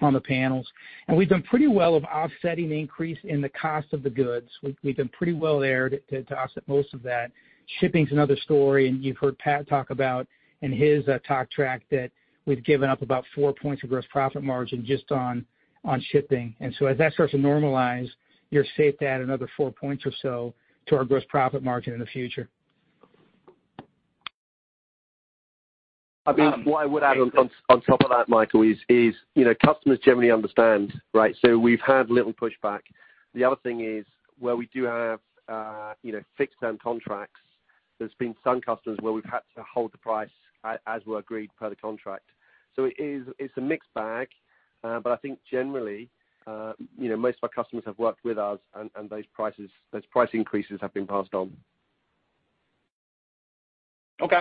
on the panels. We've done pretty well of offsetting the increase in the cost of the goods. We've done pretty well there to offset most of that. Shipping's another story, and you've heard Pat talk about in his talk track that we've given up about 4 points of gross profit margin just on shipping. As that starts to normalize, you're safe to add another 4 points or so to our gross profit margin in the future. I mean, what I would add on top of that, Michael, is you know, customers generally understand, right? We've had little pushback. The other thing is where we do have you know, fixed term contracts, there's been some customers where we've had to hold the price as we agreed per the contract. It is, it's a mixed bag. But I think generally you know, most of our customers have worked with us and those prices, those price increases have been passed on. Okay.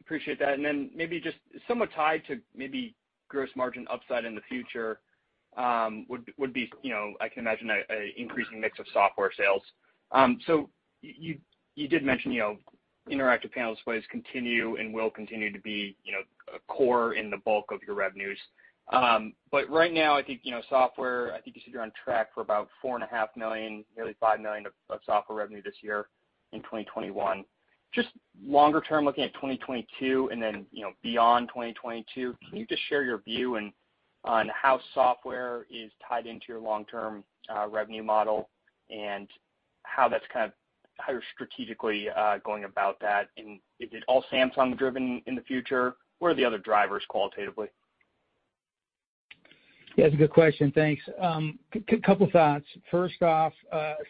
Appreciate that. Maybe just somewhat tied to maybe gross margin upside in the future, would be, you know, I can imagine an increasing mix of software sales. And so, you did mention, you know, interactive panel displays continue and will continue to be, you know, a core in the bulk of your revenues. Right now, I think, you know, software, I think you said you're on track for about $4.5 million, nearly $5 million of software revenue this year in 2021. Just longer term, looking at 2022 and then, you know, beyond 2022, can you just share your view on how software is tied into your long-term revenue model and how that's kind of how you're strategically going about that? Is it all Samsung driven in the future? What are the other drivers qualitatively? Yeah, it's a good question. Thanks. Couple thoughts. First off,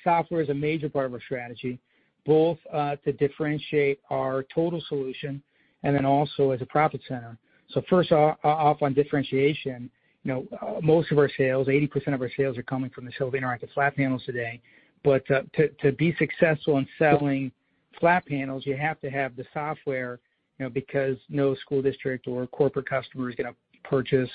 software is a major part of our strategy, both to differentiate our total solution and then also as a profit center. So, first off on differentiation, you know, most of our sales, 80% of our sales are coming from the sale of interactive flat panels today. But to be successful in selling flat panels, you have to have the software, you know, because no school district or corporate customer is gonna purchase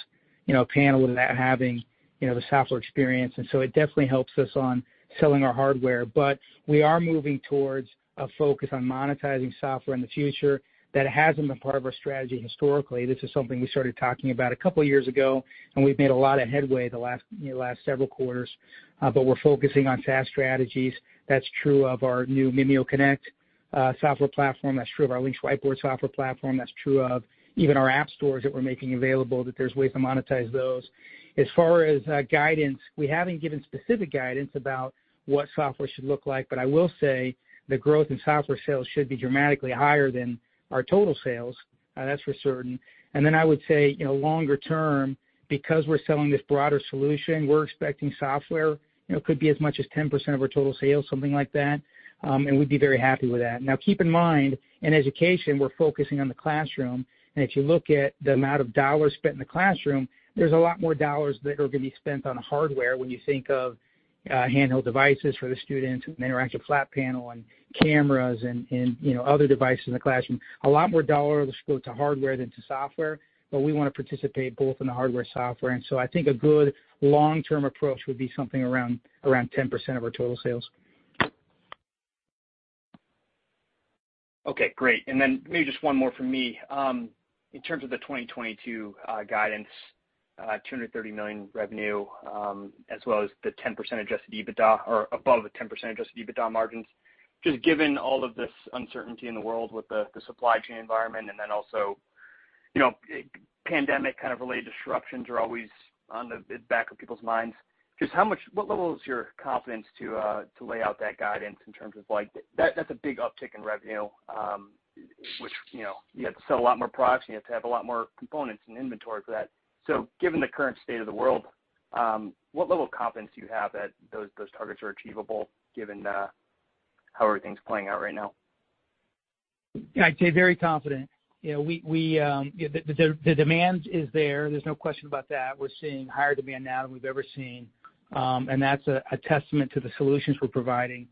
a panel without having the software experience. So it definitely helps us on selling our hardware. But we are moving towards a focus on monetizing software in the future. That hasn't been part of our strategy historically. This is something we started talking about a couple years ago, and we've made a lot of headway the last, you know, last several quarters. But we're focusing on SaaS strategies. That's true of our new MimioConnect software platform. That's true of our LYNX Whiteboard software platform. That's true of even our app stores that we're making available, that there's ways to monetize those. As far as guidance, we haven't given specific guidance about what software should look like, but I will say the growth in software sales should be dramatically higher than our total sales, that's for certain. I would say, you know, longer term, because we're selling this broader solution, we're expecting software, you know, could be as much as 10% of our total sales, something like that, and we'd be very happy with that. Keep in mind, in education, we're focusing on the classroom. If you look at the amount of dollars spent in the classroom, there's a lot more dollars that are gonna be spent on hardware when you think of handheld devices for the students, interactive flat panel and cameras and you know, other devices in the classroom. A lot more dollars will go to hardware than to software, but we wanna participate both in the hardware, software. I think a good long-term approach would be something around 10% of our total sales. Okay, great. Maybe just one more from me. In terms of the 2022 guidance, $230 million revenue, as well as the 10% adjusted EBITDA or above the 10% adjusted EBITDA margins, just given all of this uncertainty in the world with the supply chain environment and then also, you know, pandemic kind of related disruptions are always on the back of people's minds. Just how much, what level is your confidence to lay out that guidance in terms of like that that's a big uptick in revenue, which, you know, you have to sell a lot more products, and you have to have a lot more components and inventory for that. Given the current state of the world, what level of confidence do you have that those targets are achievable given how everything's playing out right now? I'd say we're very confident. You know, yeah, the demand is there. There's no question about that. We're seeing higher demand now than we've ever seen. That's a testament to the solutions we're providing.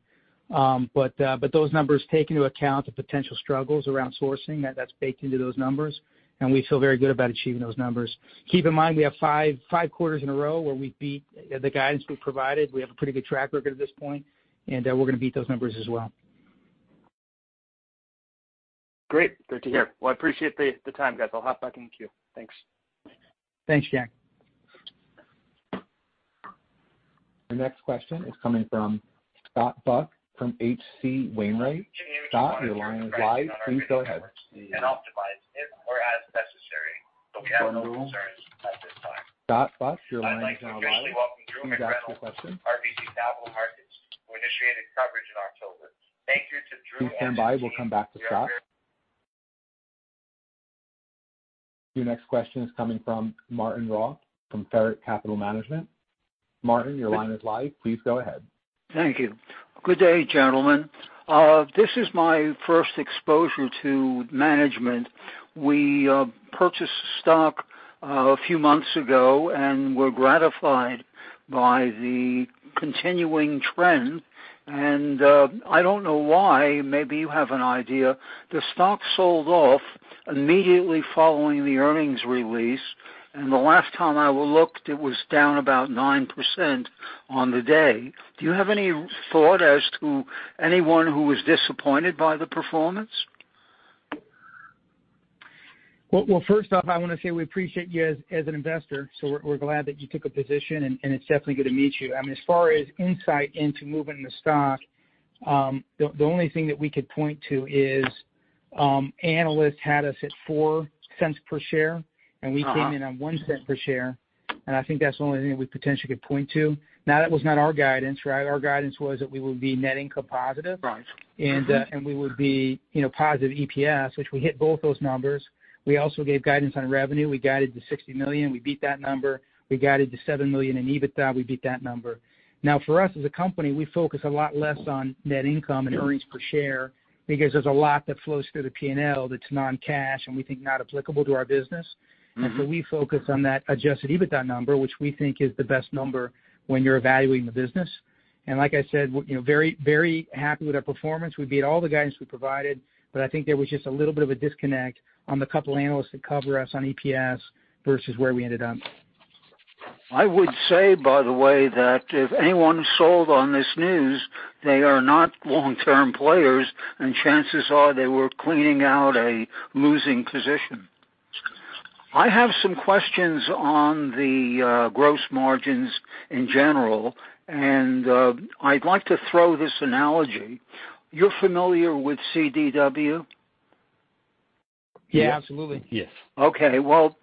Those numbers take into account the potential struggles around sourcing. That's baked into those numbers, and we feel very good about achieving those numbers. Keep in mind, we have five quarters in a row where we've beat the guidance we've provided. We have a pretty good track record at this point, and we're gonna beat those numbers as well. Great. Good to hear. Well, I appreciate the time, guys. I'll hop back in the queue. Thanks. Thanks, Jack. The next question is coming from Scott Buck from H.C. Wainwright Scott, your line is live. Please go ahead. Optimize it or as necessary. We have no concerns at this time. Scott Buck, your line is now live. Please ask your question. I'd like to officially welcome Drew McReynolds, RBC Capital Markets. Initiated coverage in October. Thank you to Drew and his team. Please stand by. We'll come back to Scott. Your next question is coming from Martin Roth from Ferret Capital Management. Martin, your line is live. Please go ahead. Thank you. Good day, gentlemen. This is my first exposure to management. We purchased stock a few months ago, and we're gratified by the continuing trend. I don't know why, maybe you have an idea. The stock sold off immediately following the earnings release, and the last time I looked, it was down about 9% on the day. Do you have any thought as to anyone who was disappointed by the performance? Well, first off, I wanna say we appreciate you as an investor, so we're glad that you took a position, and it's definitely good to meet you. I mean, as far as insight into moving the stock, the only thing that we could point to is, analysts had us at $0.04 per share, and we came in on $0.01 per share, and I think that's the only thing that we potentially could point to. Now, that was not our guidance, right? Our guidance was that we would be net income positive. Right. We would be, you know, positive EPS, which we hit both those numbers. We also gave guidance on revenue. We guided to $60 million. We beat that number. We guided to $7 million in EBITDA, we beat that number. Now for us as a company, we focus a lot less on net income and earnings per share because there's a lot that flows through the P&L that's non-cash, and we think not applicable to our business. Mm-hmm. We focus on that adjusted EBITDA number, which we think is the best number when you're evaluating the business. Like I said, you know, very, very happy with our performance. We beat all the guidance we provided, but I think there was just a little bit of a disconnect on the couple analysts that cover us on EPS versus where we ended up. I would say, by the way, that if anyone sold on this news, they are not long-term players, and chances are they were cleaning out a losing position. I have some questions on the gross margins in general, and I'd like to throw this analogy. You're familiar with CDW? Yeah, absolutely. Yes. Okay. Well,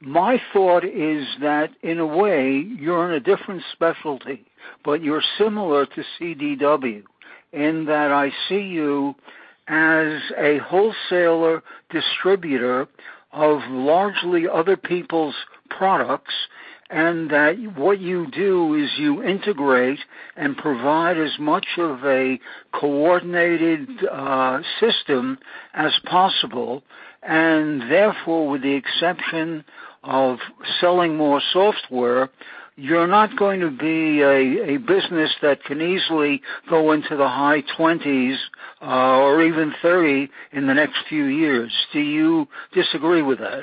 my thought is that in a way, you're in a different specialty, but you're similar to CDW in that I see you as a wholesaler distributor of largely other people's products, and that what you do is you integrate and provide as much of a coordinated system as possible. And therefore, with the exception of selling more software, you're not going to be a business that can easily go into the high 20s or even 30 in the next few years. Do you disagree with that?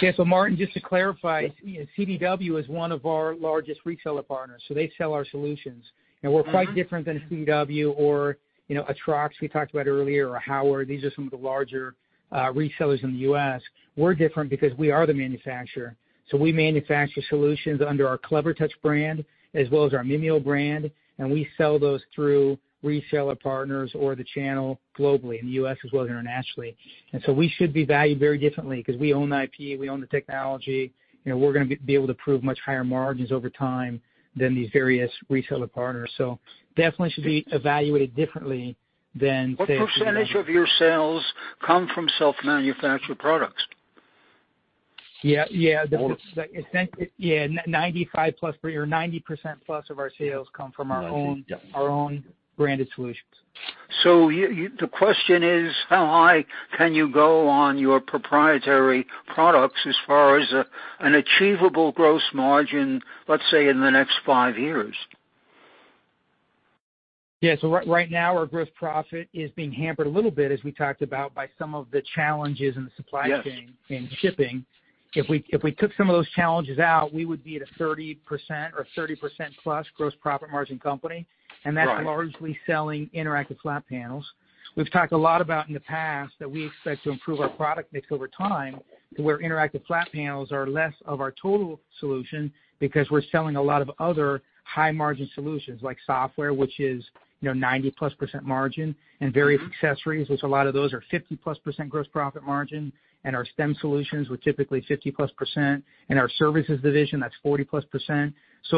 Yeah. Martin, just to clarify, CDW is one of our largest reseller partners, so they sell our solutions. We're quite different than CDW or, you know, Attrex we talked about earlier or Howard. These are some of the larger resellers in the U.S. We're different because we are the manufacturer. We manufacture solutions under our Clevertouch brand as well as our Mimio brand, and we sell those through reseller partners or the channel globally in the U.S. as well as internationally. We should be valued very differently 'cause we own the IP, we own the technology. You know, we're gonna be able to prove much higher margins over time than these various reseller partners. Definitely should be evaluated differently than, say- What percentage of your sales come from self-manufactured products? Yeah. Yeah. Or- Yeah, 95+ or 90%+ of our sales come from our own- 90%, yeah. Our own branded solutions. The question is, how high can you go on your proprietary products as far as an achievable gross margin, let's say, in the next five years? Yeah. Right now our gross profit is being hampered a little bit, as we talked about, by some of the challenges in the supply chain. Yes and shipping. If we took some of those challenges out, we would be at a 30% or 30%+ gross profit margin company. Right. That's largely selling interactive flat panels. We've talked a lot about in the past that we expect to improve our product mix over time to where interactive flat panels are less of our total solution because we're selling a lot of other high-margin solutions like software, which is, you know, 90%+ margin, and various accessories, which a lot of those are 50%+ gross profit margin, and our STEM solutions, which are typically 50%+, and our services division, that's 40%+. In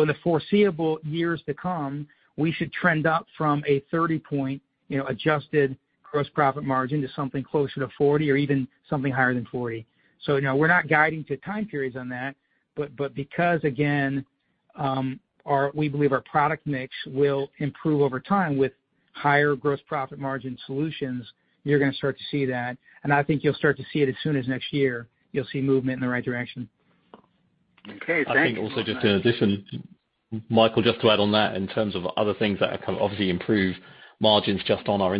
the foreseeable years to come, we should trend up from a 30-point, you know, adjusted gross profit margin to something closer to 40% or even something higher than 40%. So you know, we're not guiding to time periods on that, but because again, we believe our product mix will improve over time with higher gross profit margin solutions, you're gonna start to see that. And I think you'll start to see it as soon as next year. You'll see movement in the right direction. Okay. Thank you so much. I think also just in addition, Michael, just to add on that in terms of other things that can obviously improve margins just on our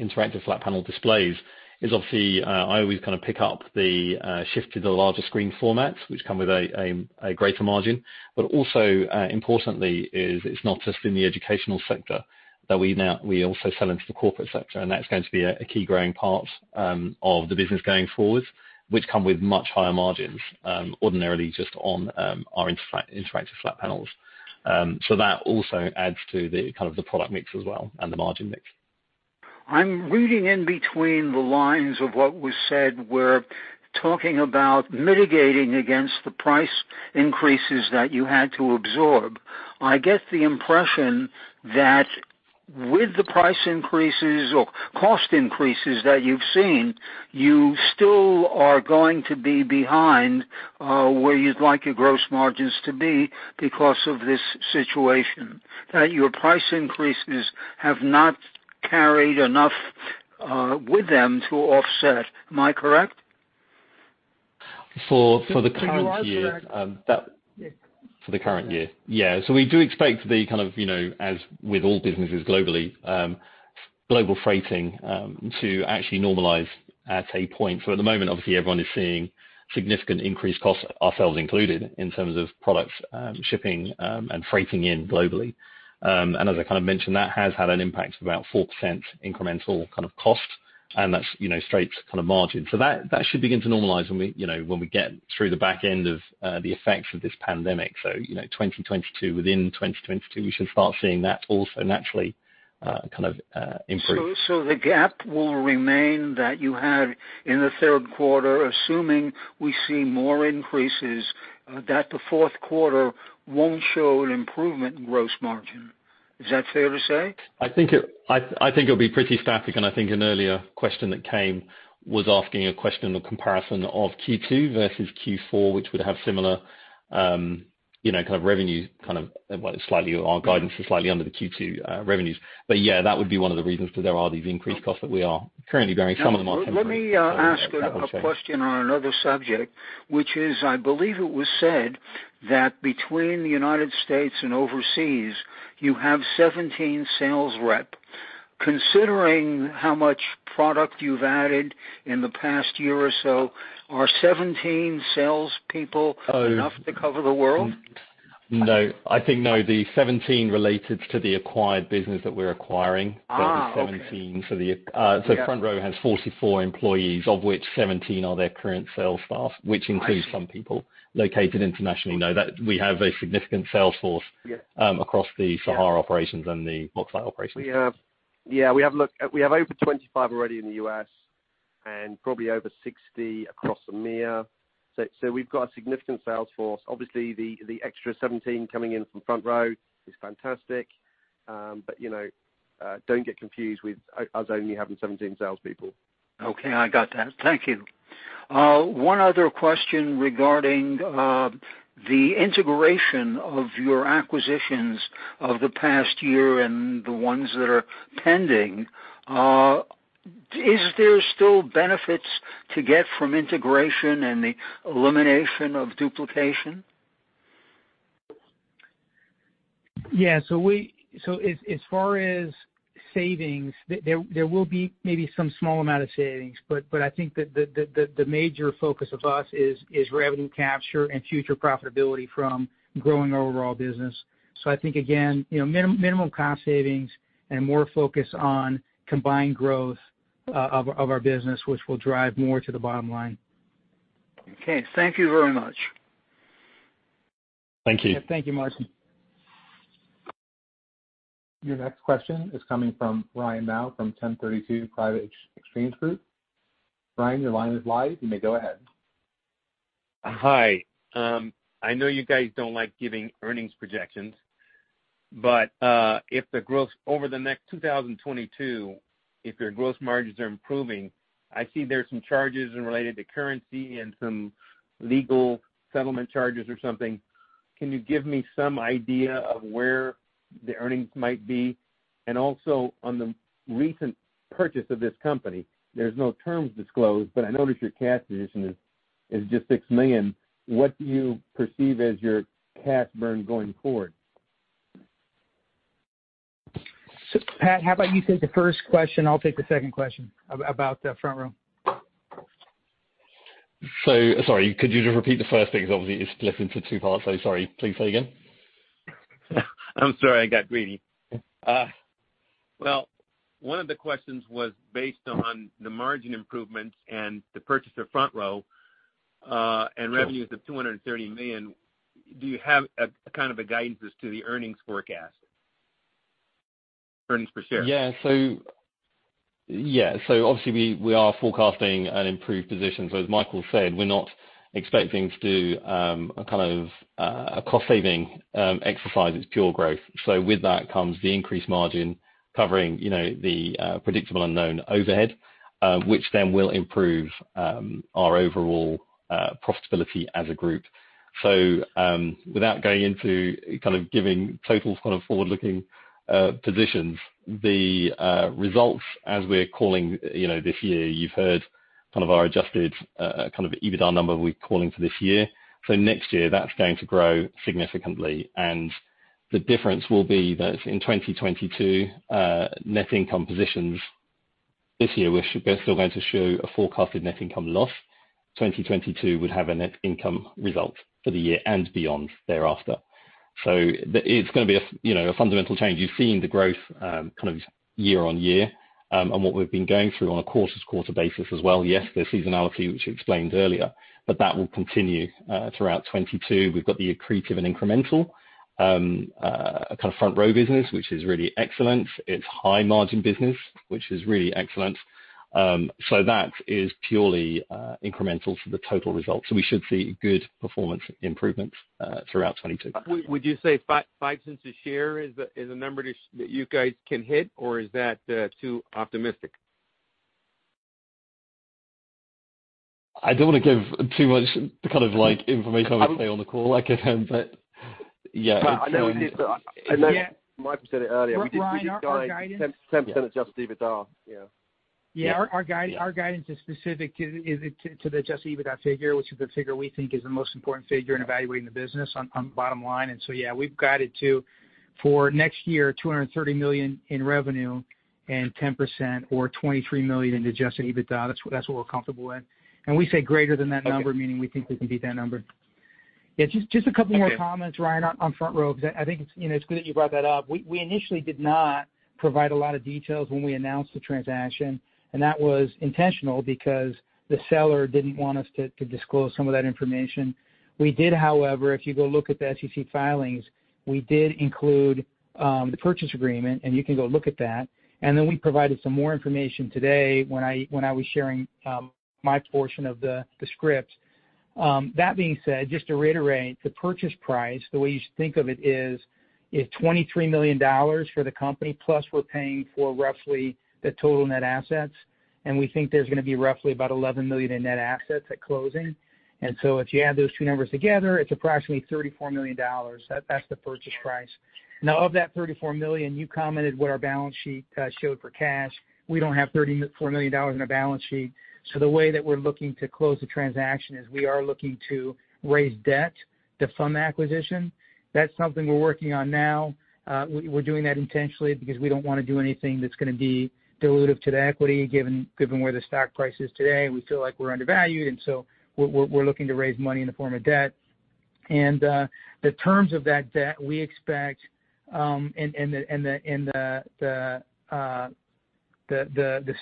interactive flat panel displays is obviously I always kinda pick up the shift to the larger screen formats, which come with a greater margin. Also, importantly is it's not just in the educational sector that we also sell into the corporate sector, and that's going to be a key growing part of the business going forward, which come with much higher margins ordinarily just on our interactive flat panels. That also adds to the kind of the product mix as well and the margin mix. I'm reading in between the lines of what was said. We're talking about mitigating against the price increases that you had to absorb. I get the impression that with the price increases or cost increases that you've seen, you still are going to be behind where you'd like your gross margins to be because of this situation. That your price increases have not carried enough with them to offset. Am I correct? For the current year. Yeah. For the current year. Yeah. We do expect the kind of, you know, as with all businesses globally, global freighting to actually normalize at a point. At the moment, obviously, everyone is seeing significantly increased costs, ourselves included, in terms of products, shipping and freighting in globally. And as I kind of mentioned, that has had an impact of about 4% incremental kind of cost and that's, you know, straight kind of margin. That should begin to normalize when we, you know, when we get through the back end of the effects of this pandemic. So you know, 2022, within 2022, we should start seeing that also naturally kind of improve. The gap will remain that you had in the third quarter, assuming we see more increases, that the fourth quarter won't show an improvement in gross margin. Is that fair to say? I think it'll be pretty static, and I think an earlier question that came was asking a question of comparison of Q2 versus Q4, which would have similar, you know, kind of revenue, kind of, well, slightly, our guidance is slightly under the Q2 revenues. Yeah, that would be one of the reasons, because there are these increased costs that we are currently bearing. Some of them are temporary. Let me ask a question on another subject, which is, I believe it was said that between the United States and overseas, you have 17 sales rep. Considering how much product you've added in the past year or so, are 17 sales people- Oh. enough to cover the world? No, I think no. The 17 related to the acquired business that we're acquiring. Okay. So the 17. So the, uh- Yeah. FrontRow has 44 employees, of which 17 are their current sales staff. I see. which includes some people located internationally. We have a significant sales force. Yeah. across the Sahara operations and the Mimio operations. Yeah, look, we have over 25 already in the U.S. and probably over 60 across EMEA. We've got a significant sales force. Obviously, the extra 17 coming in from FrontRow is fantastic. You know, don't get confused with us only having 17 salespeople. Okay, I got that. Thank you. One other question regarding the integration of your acquisitions of the past year and the ones that are pending. Is there still benefits to get from integration and the elimination of duplication? Yeah, as far as savings, there will be maybe some small amount of savings. But I think the major focus of us is revenue capture and future profitability from growing our overall business. So, I think, again, you know, minimum cost savings and more focus on combined growth of our business, which will drive more to the bottom line. Okay. Thank you very much. Thank you. Yeah. Thank you, Martin. Your next question is coming from Ryan Mao from 1031 Private Exchange Group. Ryan, your line is live. You may go ahead. Hi. I know you guys don't like giving earnings projections, but if the growth over the next 2022, if your gross margins are improving, I see there are some charges in relation to currency and some legal settlement charges or something. Can you give me some idea of where the earnings might be? And also on the recent purchase of this company, there's no terms disclosed, but I notice your cash position is just $6 million. What do you perceive as your cash burn going forward? Pat, how about you take the first question? I'll take the second question about the FrontRow. Sorry, could you just repeat the first thing? Because obviously it's split into two parts. Sorry. Please say again. I'm sorry, I got greedy. Well, one of the questions was based on the margin improvements and the purchase of FrontRow, and revenues of $230 million, do you have a kind of a guidance as to the earnings forecast? Earnings per share. Obviously we are forecasting an improved position. As Michael said, we're not expecting to do a kind of a cost saving exercise. It's pure growth. With that comes the increased margin covering, you know, the predictable unknown overhead, which then will improve our overall profitability as a group. So without going into kind of giving total kind of forward-looking positions, the results as we're calling, you know, this year, you've heard kind of our adjusted kind of EBITDA number we're calling for this year. Next year, that's going to grow significantly. The difference will be that in 2022 net income position this year, we're still going to show a forecasted net income loss. 2022 would have a net income result for the year and beyond thereafter. It's gonna be a you know a fundamental change. You've seen the growth kind of year-on-year and what we've been going through on a quarter-to-quarter basis as well. Yes, there's seasonality, which you explained earlier, but that will continue throughout 2022. We've got the accretive and incremental a kind of FrontRow business, which is really excellent. It's high-margin business, which is really excellent. So that is purely incremental to the total results. We should see good performance improvements throughout 2022. Would you say $0.05 a share is the number that you guys can hit or is that too optimistic? I don't wanna give too much kind of like information, I would say, on the call I can, but yeah. I know we did, but I know Michael said it earlier. Yeah. Ryan, our guidance. We did guide 10% adjusted EBITDA, yeah. Yeah, our guide- Yeah. Our guidance is specific to the adjusted EBITDA figure, which is the figure we think is the most important figure in evaluating the business on the bottom line. So yeah, we've guided to for next year $230 million in revenue and 10% or $23 million in adjusted EBITDA. That's what we're comfortable with. We say greater than that number. Okay. meaning we think we can beat that number. Yeah, just a couple more comments. Okay. Ryan, on FrontRow, 'cause I think it's, you know, it's good that you brought that up. We initially did not provide a lot of details when we announced the transaction, and that was intentional because the seller didn't want us to disclose some of that information. We did, however, if you go look at the SEC filings, we did include the purchase agreement, and you can go look at that. Then we provided some more information today when I was sharing my portion of the script. That being said, just to reiterate the purchase price, the way you think of it is, it's $23 million for the company, plus we're paying for roughly the total net assets. We think there's gonna be roughly about $11 million in net assets at closing. If you add those two numbers together, it's approximately $34 million. That's the purchase price. Now, of that $34 million, you commented what our balance sheet showed for cash. We don't have $34 million in the balance sheet. So, the way that we're looking to close the transaction is we are looking to raise debt to fund the acquisition. That's something we're working on now. We're doing that intentionally because we don't wanna do anything that's gonna be dilutive to the equity, given where the stock price is today. We feel like we're undervalued, and we're looking to raise money in the form of debt. And the terms of that debt, we expect, and the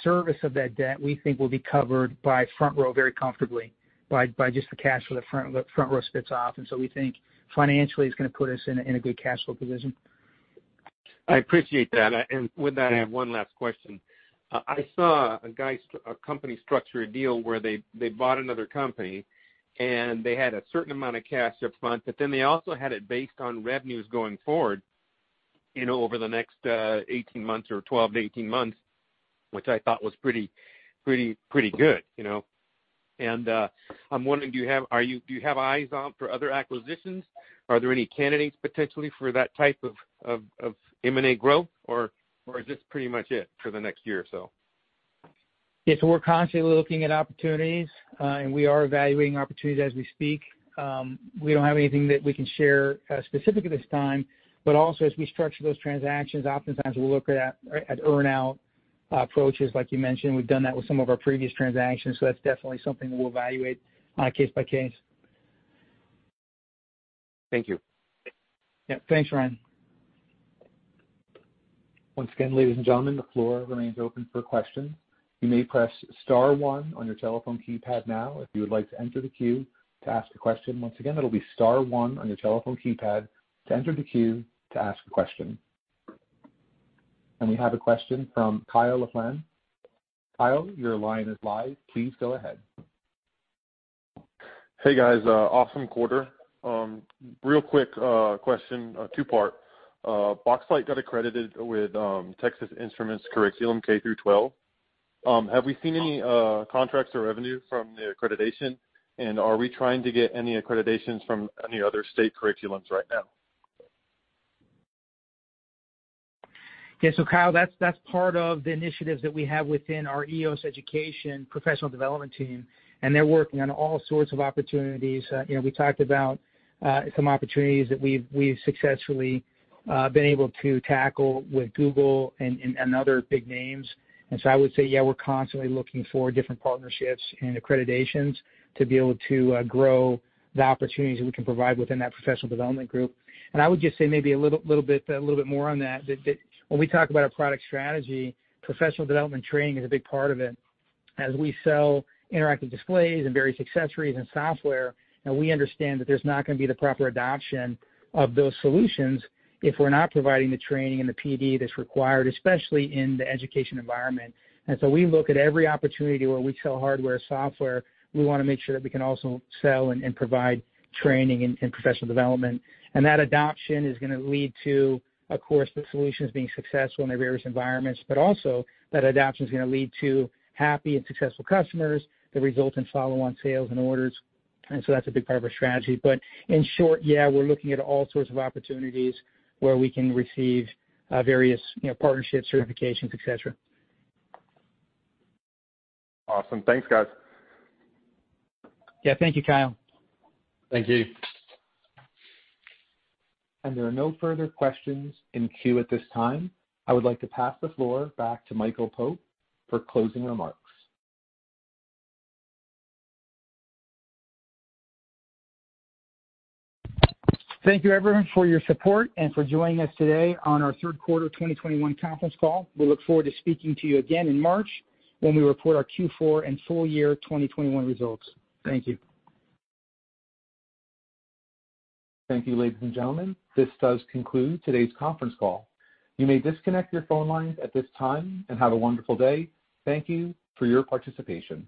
service of that debt, we think will be covered by FrontRow very comfortably by just the cash flow that FrontRow spits off. We think financially it's gonna put us in a good cash flow position. I appreciate that. With that, I have one last question. I saw a company structure a deal where they bought another company, and they had a certain amount of cash up front, but then they also had it based on revenues going forward, you know, over the next 18 months or 12-18 months, which I thought was pretty good, you know. And I'm wondering, do you have eyes on for other acquisitions? Are there any candidates potentially for that type of M&A growth or is this pretty much it for the next year or so? Yeah, we're constantly looking at opportunities, and we are evaluating opportunities as we speak. We don't have anything that we can share specific at this time. Also, as we structure those transactions, oftentimes we'll look at earn-out approaches like you mentioned. We've done that with some of our previous transactions, so that's definitely something we'll evaluate case by case. Thank you. Yeah. Thanks, Ryan. Once again, ladies and gentlemen, the floor remains open for questions. You may press star one on your telephone keypad now if you would like to enter the queue to ask a question. Once again, it'll be star one on your telephone keypad to enter the queue to ask a question. We have a question from Kyle LaFlamme. Kyle, your line is live. Please go ahead. Hey, guys. Awesome quarter. Real quick, two-part question. Boxlight got accredited with Texas Instruments curriculum K through 12. Have we seen any contracts or revenue from the accreditation? Are we trying to get any accreditations from any other state curriculums right now? Yeah. Kyle, that's part of the initiatives that we have within our EOS Education Professional Development team, and they're working on all sorts of opportunities. You know, we talked about some opportunities that we've successfully been able to tackle with Google and other big names. I would say, yeah, we're constantly looking for different partnerships and accreditations to be able to grow the opportunities that we can provide within that professional development group. I would just say maybe a little bit more on that when we talk about our product strategy, professional development training is a big part of it. And as we sell interactive displays and various accessories and software, now we understand that there's not gonna be the proper adoption of those solutions if we're not providing the training and the PD that's required, especially in the education environment. We look at every opportunity where we sell hardware, software, we wanna make sure that we can also sell and provide training and professional development. And that adoption is gonna lead to, of course, the solutions being successful in the various environments, but also that adoption is gonna lead to happy and successful customers that result in follow-on sales and orders. That's a big part of our strategy. In short, yeah, we're looking at all sorts of opportunities where we can receive various, you know, partnerships, certifications, et cetera. Awesome. Thanks, guys. Yeah. Thank you, Kyle. Thank you. There are no further questions in queue at this time. I would like to pass the floor back to Michael Pope for closing remarks. Thank you, everyone, for your support and for joining us today on our Q3 2021 conference call. We look forward to speaking to you again in March when we report our Q4 and full year 2021 results. Thank you. Thank you, ladies and gentlemen. This does conclude today's conference call. You may disconnect your phone lines at this time, and have a wonderful day. Thank you for your participation.